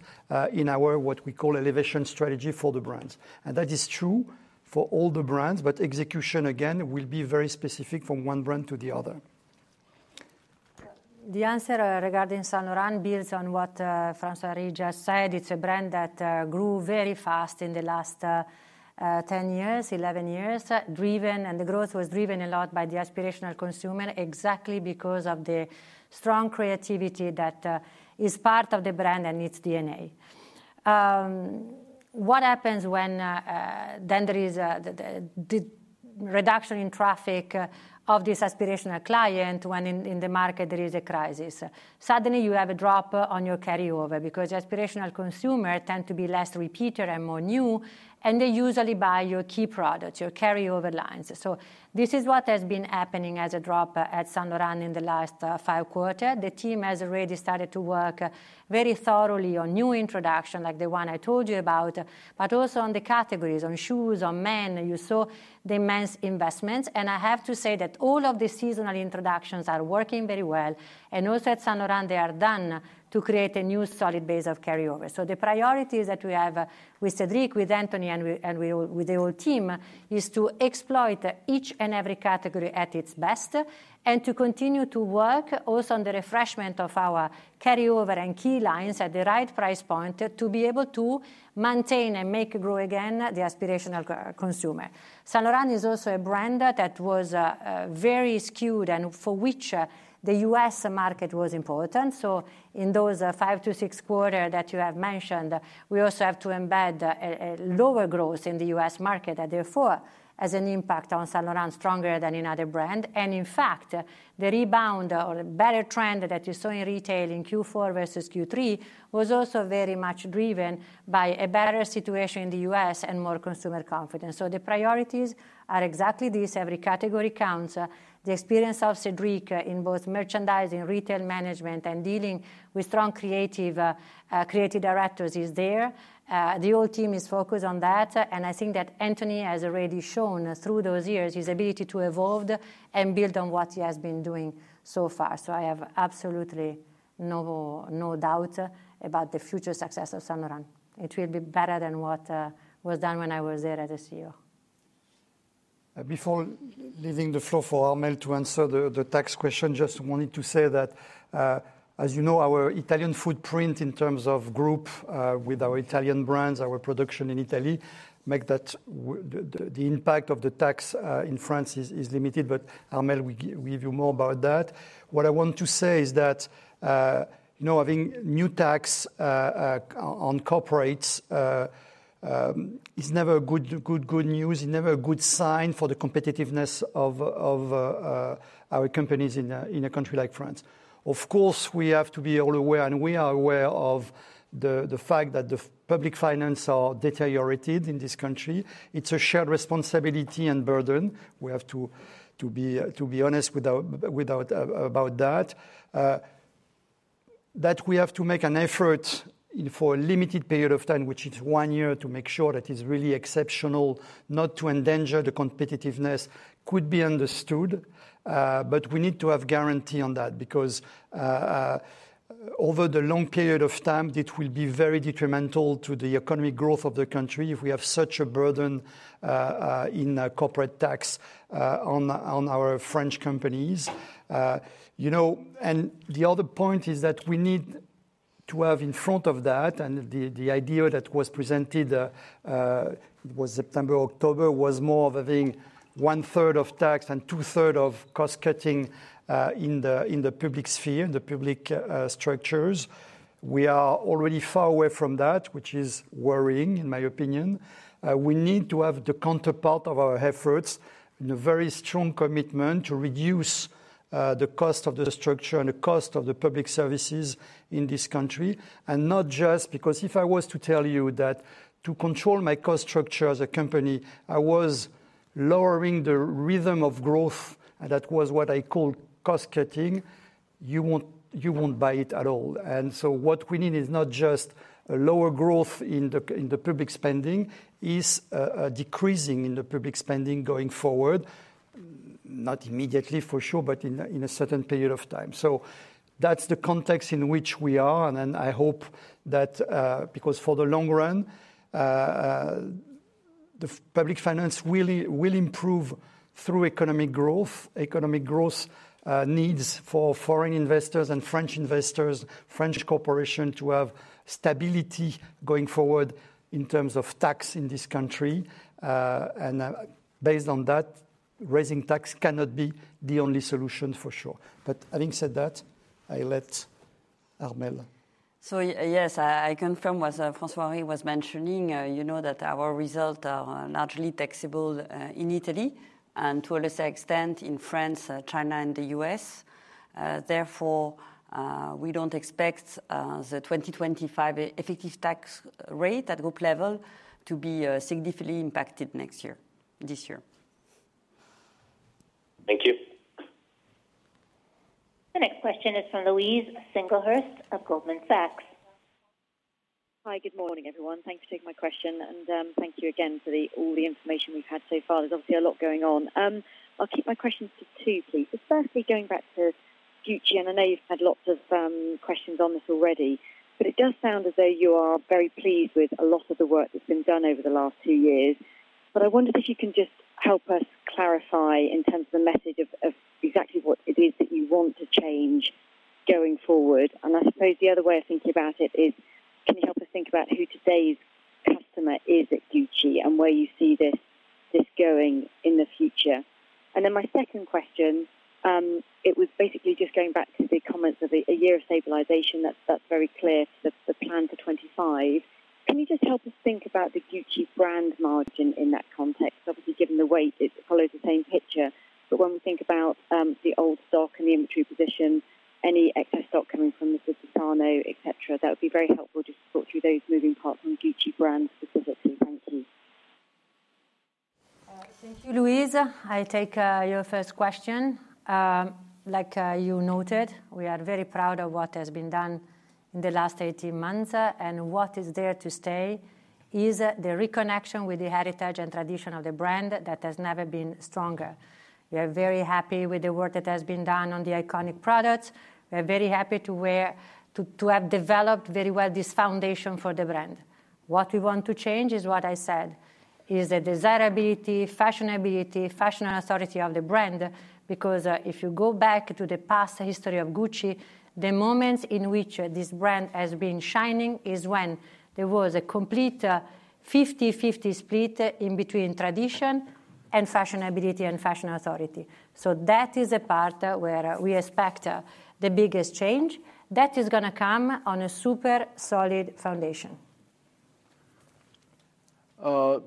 in our what we call elevation strategy for the brands. That is true for all the brands, but execution, again, will be very specific from one brand to the other. The answer regarding Saint Laurent builds on what François-Henri just said. It's a brand that grew very fast in the last 10 years, 11 years, driven, and the growth was driven a lot by the aspirational consumer, exactly because of the strong creativity that is part of the brand and its DNA. What happens when then there is a reduction in traffic of this aspirational client when in the market there is a crisis? Suddenly, you have a drop on your carryover because aspirational consumers tend to be less repeater and more new, and they usually buy your key products, your carryover lines. This is what has been happening as a drop at Saint Laurent in the last five quarters. The team has already started to work very thoroughly on new introductions like the one I told you about, but also on the categories, on shoes, on men. You saw the immense investments, and I have to say that all of the seasonal introductions are working very well, and also at Saint Laurent, they are done to create a new solid base of carryover, so the priorities that we have with Cédric, with Anthony, and with the whole team is to exploit each and every category at its best and to continue to work also on the refreshment of our carryover and key lines at the right price point to be able to maintain and make grow again the aspirational consumer. Saint Laurent is also a brand that was very skewed and for which the US market was important. So in those five to six quarters that you have mentioned, we also have to embed a lower growth in the US market that therefore has an impact on Saint Laurent stronger than in other brands. And in fact, the rebound or better trend that you saw in retail in Q4 versus Q3 was also very much driven by a better situation in the US and more consumer confidence. So the priorities are exactly this. Every category counts. The experience of Cédric in both merchandising, retail management, and dealing with strong creative directors is there. The whole team is focused on that. And I think that Anthony has already shown through those years his ability to evolve and build on what he has been doing so far. So I have absolutely no doubt about the future success of Saint Laurent. It will be better than what was done when I was there as a CEO. Before leaving the floor for Armelle to answer the tax question, just wanted to say that, as you know, our Italian footprint in terms of group with our Italian brands, our production in Italy, makes that the impact of the tax in France is limited. But Armelle, we'll give you more about that. What I want to say is that having new tax on corporates is never good news. It's never a good sign for the competitiveness of our companies in a country like France. Of course, we have to be all aware, and we are aware of the fact that the public finances are deteriorated in this country. It's a shared responsibility and burden. We have to be honest about that. That we have to make an effort for a limited period of time, which is one year, to make sure that it's really exceptional, not to endanger the competitiveness, could be understood. But we need to have guarantee on that because over the long period of time, it will be very detrimental to the economic growth of the country if we have such a burden in corporate tax on our French companies. And the other point is that we need to have in front of that, and the idea that was presented was September, October, was more of having one-third of tax and two-thirds of cost-cutting in the public sphere, in the public structures. We are already far away from that, which is worrying, in my opinion. We need to have the counterpart of our efforts, a very strong commitment to reduce the cost of the structure and the cost of the public services in this country, and not just because if I was to tell you that to control my cost structure as a company, I was lowering the rhythm of growth, and that was what I called cost-cutting, you won't buy it at all, and so what we need is not just a lower growth in the public spending, it's a decreasing in the public spending going forward, not immediately for sure, but in a certain period of time, so that's the context in which we are. And then, I hope that because for the long run, the public finance will improve through economic growth. Economic growth needs for foreign investors and French investors, French corporations to have stability going forward in terms of tax in this country. And based on that, raising tax cannot be the only solution for sure. But having said that, I let Armelle. So yes, I confirm what François-Henri was mentioning. You know that our results are largely taxable in Italy and to a lesser extent in France, China, and the U.S. Therefore, we don't expect the 2025 effective tax rate at group level to be significantly impacted next year, this year. Thank you. The next question is from Louise Singlehurst of Goldman Sachs. Hi, good morning, everyone. Thanks for taking my question. And thank you again for all the information we've had so far. There's obviously a lot going on. I'll keep my questions to two, please. It's firstly going back to Gucci, and I know you've had lots of questions on this already, but it does sound as though you are very pleased with a lot of the work that's been done over the last two years. But I wondered if you can just help us clarify in terms of the message of exactly what it is that you want to change going forward. And I suppose the other way of thinking about it is, can you help us think about who today's customer is at Gucci and where you see this going in the future? And then my second question, it was basically just going back to the comments of a year of stabilization. That's very clear for the plan for 2025. Can you just help us think about the Gucci brand margin in that context? Obviously, given the weight, it follows the same picture. But when we think about the old stock and the inventory position, any excess stock coming from Mr. De sarno, etc., that would be very helpful just to talk through those moving parts on Gucci brand specifically. Thank you. Thank you, Louise. I take your first question. Like you noted, we are very proud of what has been done in the last 18 months, and what is there to stay is the reconnection with the heritage and tradition of the brand that has never been stronger. We are very happy with the work that has been done on the iconic products. We are very happy to have developed very well this foundation for the brand. What we want to change is what I said, is the desirability, fashionability, fashion authority of the brand. Because if you go back to the past history of Gucci, the moments in which this brand has been shining is when there was a complete 50/50 split in between tradition and fashionability and fashion authority. So that is the part where we expect the biggest change. That is going to come on a super solid foundation.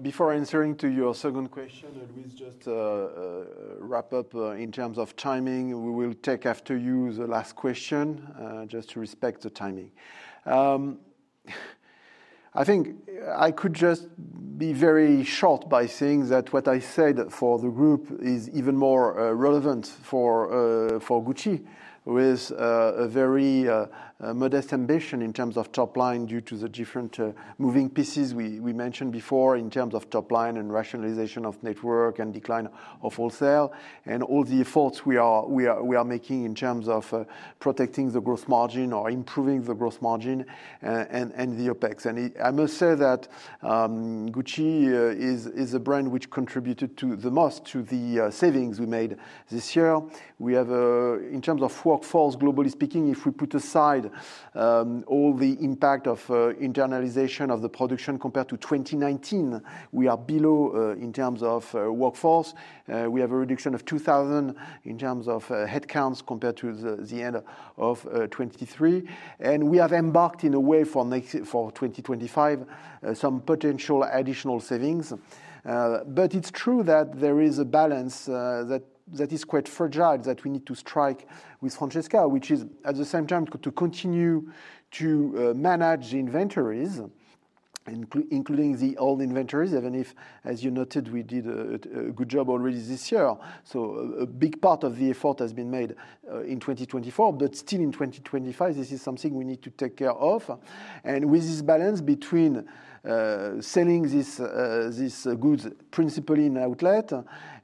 Before answering to your second question, Louise, just wrap up in terms of timing. We will take after you the last question just to respect the timing. I think I could just be very short by saying that what I said for the group is even more relevant for Gucci with a very modest ambition in terms of top line due to the different moving pieces we mentioned before in terms of top line and rationalization of network and decline of wholesale and all the efforts we are making in terms of protecting the gross margin or improving the gross margin and the OPEX, and I must say that Gucci is a brand which contributed the most to the savings we made this year. We have, in terms of workforce, globally speaking, if we put aside all the impact of internalization of the production compared to 2019, we are below in terms of workforce. We have a reduction of 2,000 in terms of headcounts compared to the end of 2023. And we have embarked in a way for 2025, some potential additional savings. But it's true that there is a balance that is quite fragile that we need to strike with Francesca, which is at the same time to continue to manage the inventories, including the old inventories, even if, as you noted, we did a good job already this year. So a big part of the effort has been made in 2024, but still in 2025, this is something we need to take care of. And with this balance between selling these goods principally in outlet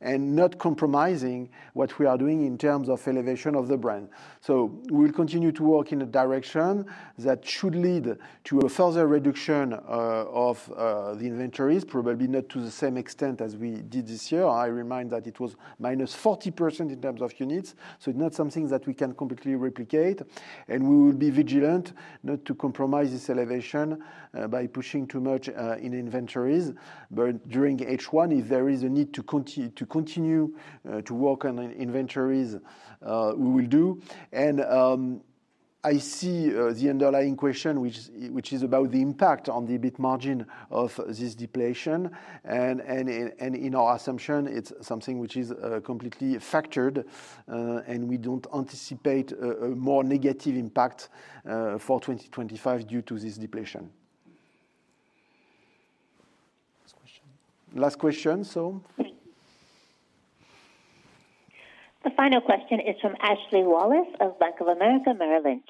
and not compromising what we are doing in terms of elevation of the brand. So we'll continue to work in a direction that should lead to a further reduction of the inventories, probably not to the same extent as we did this year. I remind that it was minus 40% in terms of units. So it's not something that we can completely replicate. And we will be vigilant not to compromise this elevation by pushing too much in inventories. But during H1, if there is a need to continue to work on inventories, we will do. And I see the underlying question, which is about the impact on the EBIT margin of this depletion. And in our assumption, it's something which is completely factored, and we don't anticipate a more negative impact for 2025 due to this depletion. Last question. Last question, so. The final question is from Ashley Wallace of Bank of America, Merrill Lynch.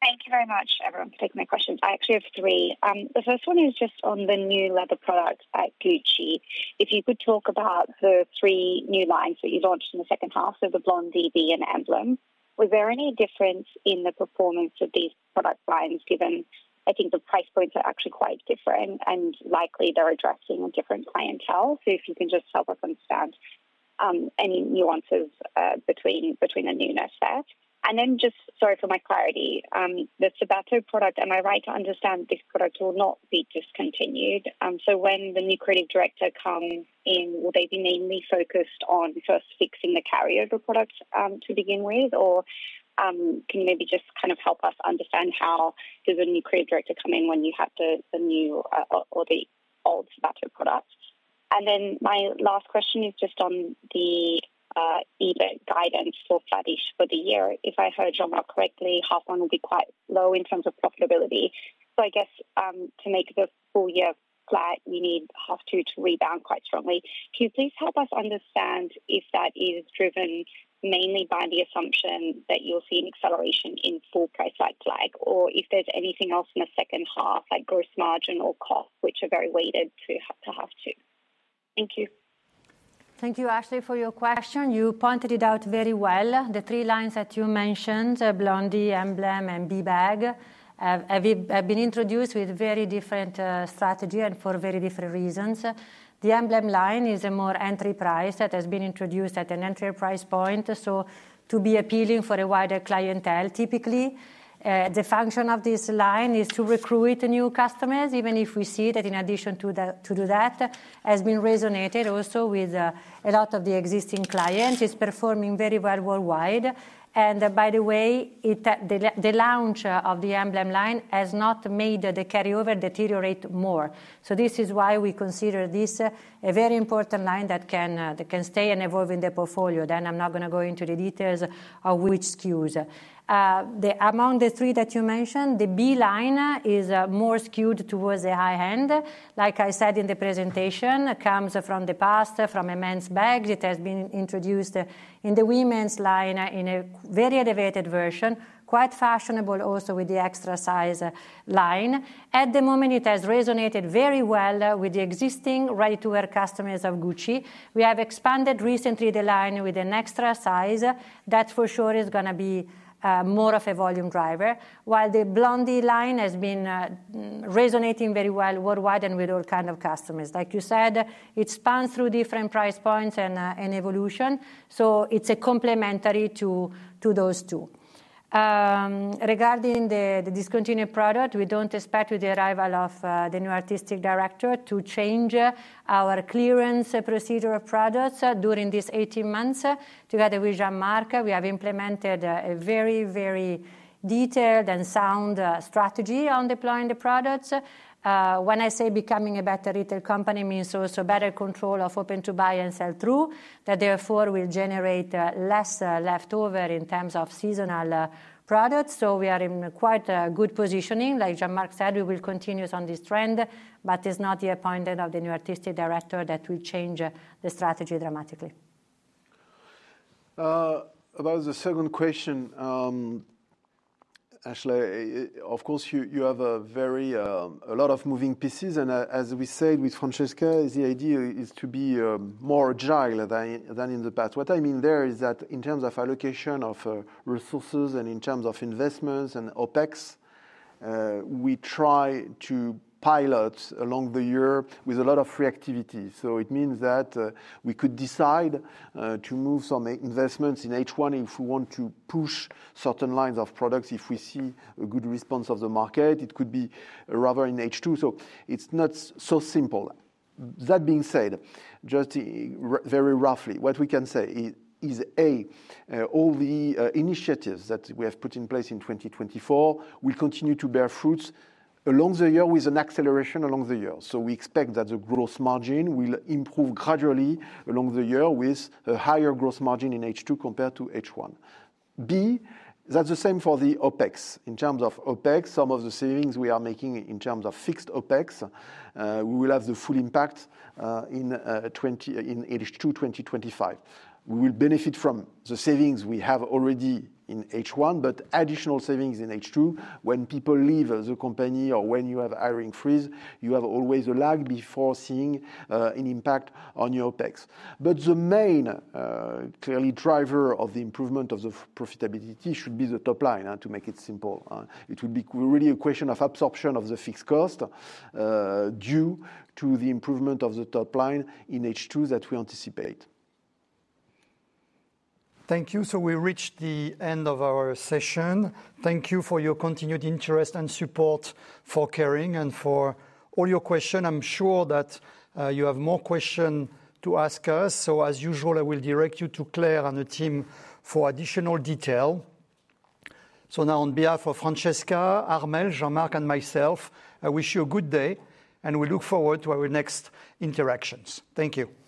Thank you very much, everyone, for taking my questions. I actually have three. The first one is just on the new leather products at Gucci. If you could talk about the three new lines that you launched in the second half, so the Blondie, the B, and Emblem, was there any difference in the performance of these product lines given, I think, the price points are actually quite different and likely they're addressing a different clientele? So if you can just help us understand any nuances between the newness there. And then just, sorry for my clarity, the Sabato product, am I right to understand this product will not be discontinued? So when the new creative director comes in, will they be mainly focused on first fixing the carryover products to begin with, or can you maybe just kind of help us understand how does a new creative director come in when you have the new or the old Sabato products? And then my last question is just on the EBIT guidance for flat-ish for the year. If I heard Jean-Marc correctly, half one will be quite low in terms of profitability. So I guess to make the full year flat, you need half two to rebound quite strongly. Can you please help us understand if that is driven mainly by the assumption that you'll see an acceleration in full price flag, or if there's anything else in the second half, like gross margin or cost, which are very weighted to half two? Thank you. Thank you, Ashley, for your question. You pointed it out very well. The three lines that you mentioned, Blondie, Emblem, and B Bag, have been introduced with very different strategies and for very different reasons. The Emblem line is a more entry price that has been introduced at an entry price point. So, to be appealing for a wider clientele, typically, the function of this line is to recruit new customers, even if we see that in addition to that has been resonated also with a lot of the existing clients, is performing very well worldwide. And by the way, the launch of the Emblem line has not made the carryover deteriorate more. So this is why we consider this a very important line that can stay and evolve in the portfolio. Then I'm not going to go into the details of which SKUs. Among the three that you mentioned, the B line is more skewed towards the high end. Like I said in the presentation, it comes from the past, from a men's bag. It has been introduced in the women's line in a very elevated version, quite fashionable also with the extra size line. At the moment, it has resonated very well with the existing ready-to-wear customers of Gucci. We have expanded recently the line with an extra size. That for sure is going to be more of a volume driver, while the Blondie line has been resonating very well worldwide and with all kinds of customers. Like you said, it spans through different price points and evolution. So it's complementary to those two. Regarding the discontinued product, we don't expect with the arrival of the new artistic director to change our clearance procedure of products during these 18 months. Together with Jean-Marc, we have implemented a very, very detailed and sound strategy on deploying the products. When I say becoming a better retail company means also better control of open-to-buy and sell-through, that therefore will generate less leftover in terms of seasonal products. So we are in quite a good positioning. Like Jean-Marc said, we will continue on this trend, but it's not the appointment of the new artistic director that will change the strategy dramatically. About the second question, Ashley, of course, you have a lot of moving pieces. And as we said with Francesca, the idea is to be more agile than in the past. What I mean there is that in terms of allocation of resources and in terms of investments and OPEX, we try to pilot along the year with a lot of reactivity. So it means that we could decide to move some investments in H1 if we want to push certain lines of products. If we see a good response of the market, it could be rather in H2. So it's not so simple. That being said, just very roughly, what we can say is, A, all the initiatives that we have put in place in 2024 will continue to bear fruits along the year with an acceleration along the year. So we expect that the gross margin will improve gradually along the year with a higher gross margin in H2 compared to H1. B, that's the same for the OPEX. In terms of OPEX, some of the savings we are making in terms of fixed OPEX, we will have the full impact in H2 2025. We will benefit from the savings we have already in H1, but additional savings in H2 when people leave the company or when you have hiring freeze, you have always a lag before seeing an impact on your OPEX. But the main clearly driver of the improvement of the profitability should be the top line, to make it simple. It would be really a question of absorption of the fixed cost due to the improvement of the top line in H2 that we anticipate. Thank you. So we reached the end of our session. Thank you for your continued interest and support for Kering and for all your questions. I'm sure that you have more questions to ask us. So as usual, I will direct you to Claire and the team for additional detail. So now, on behalf of Francesca, Armelle, Jean-Marc, and myself, I wish you a good day, and we look forward to our next interactions. Thank you.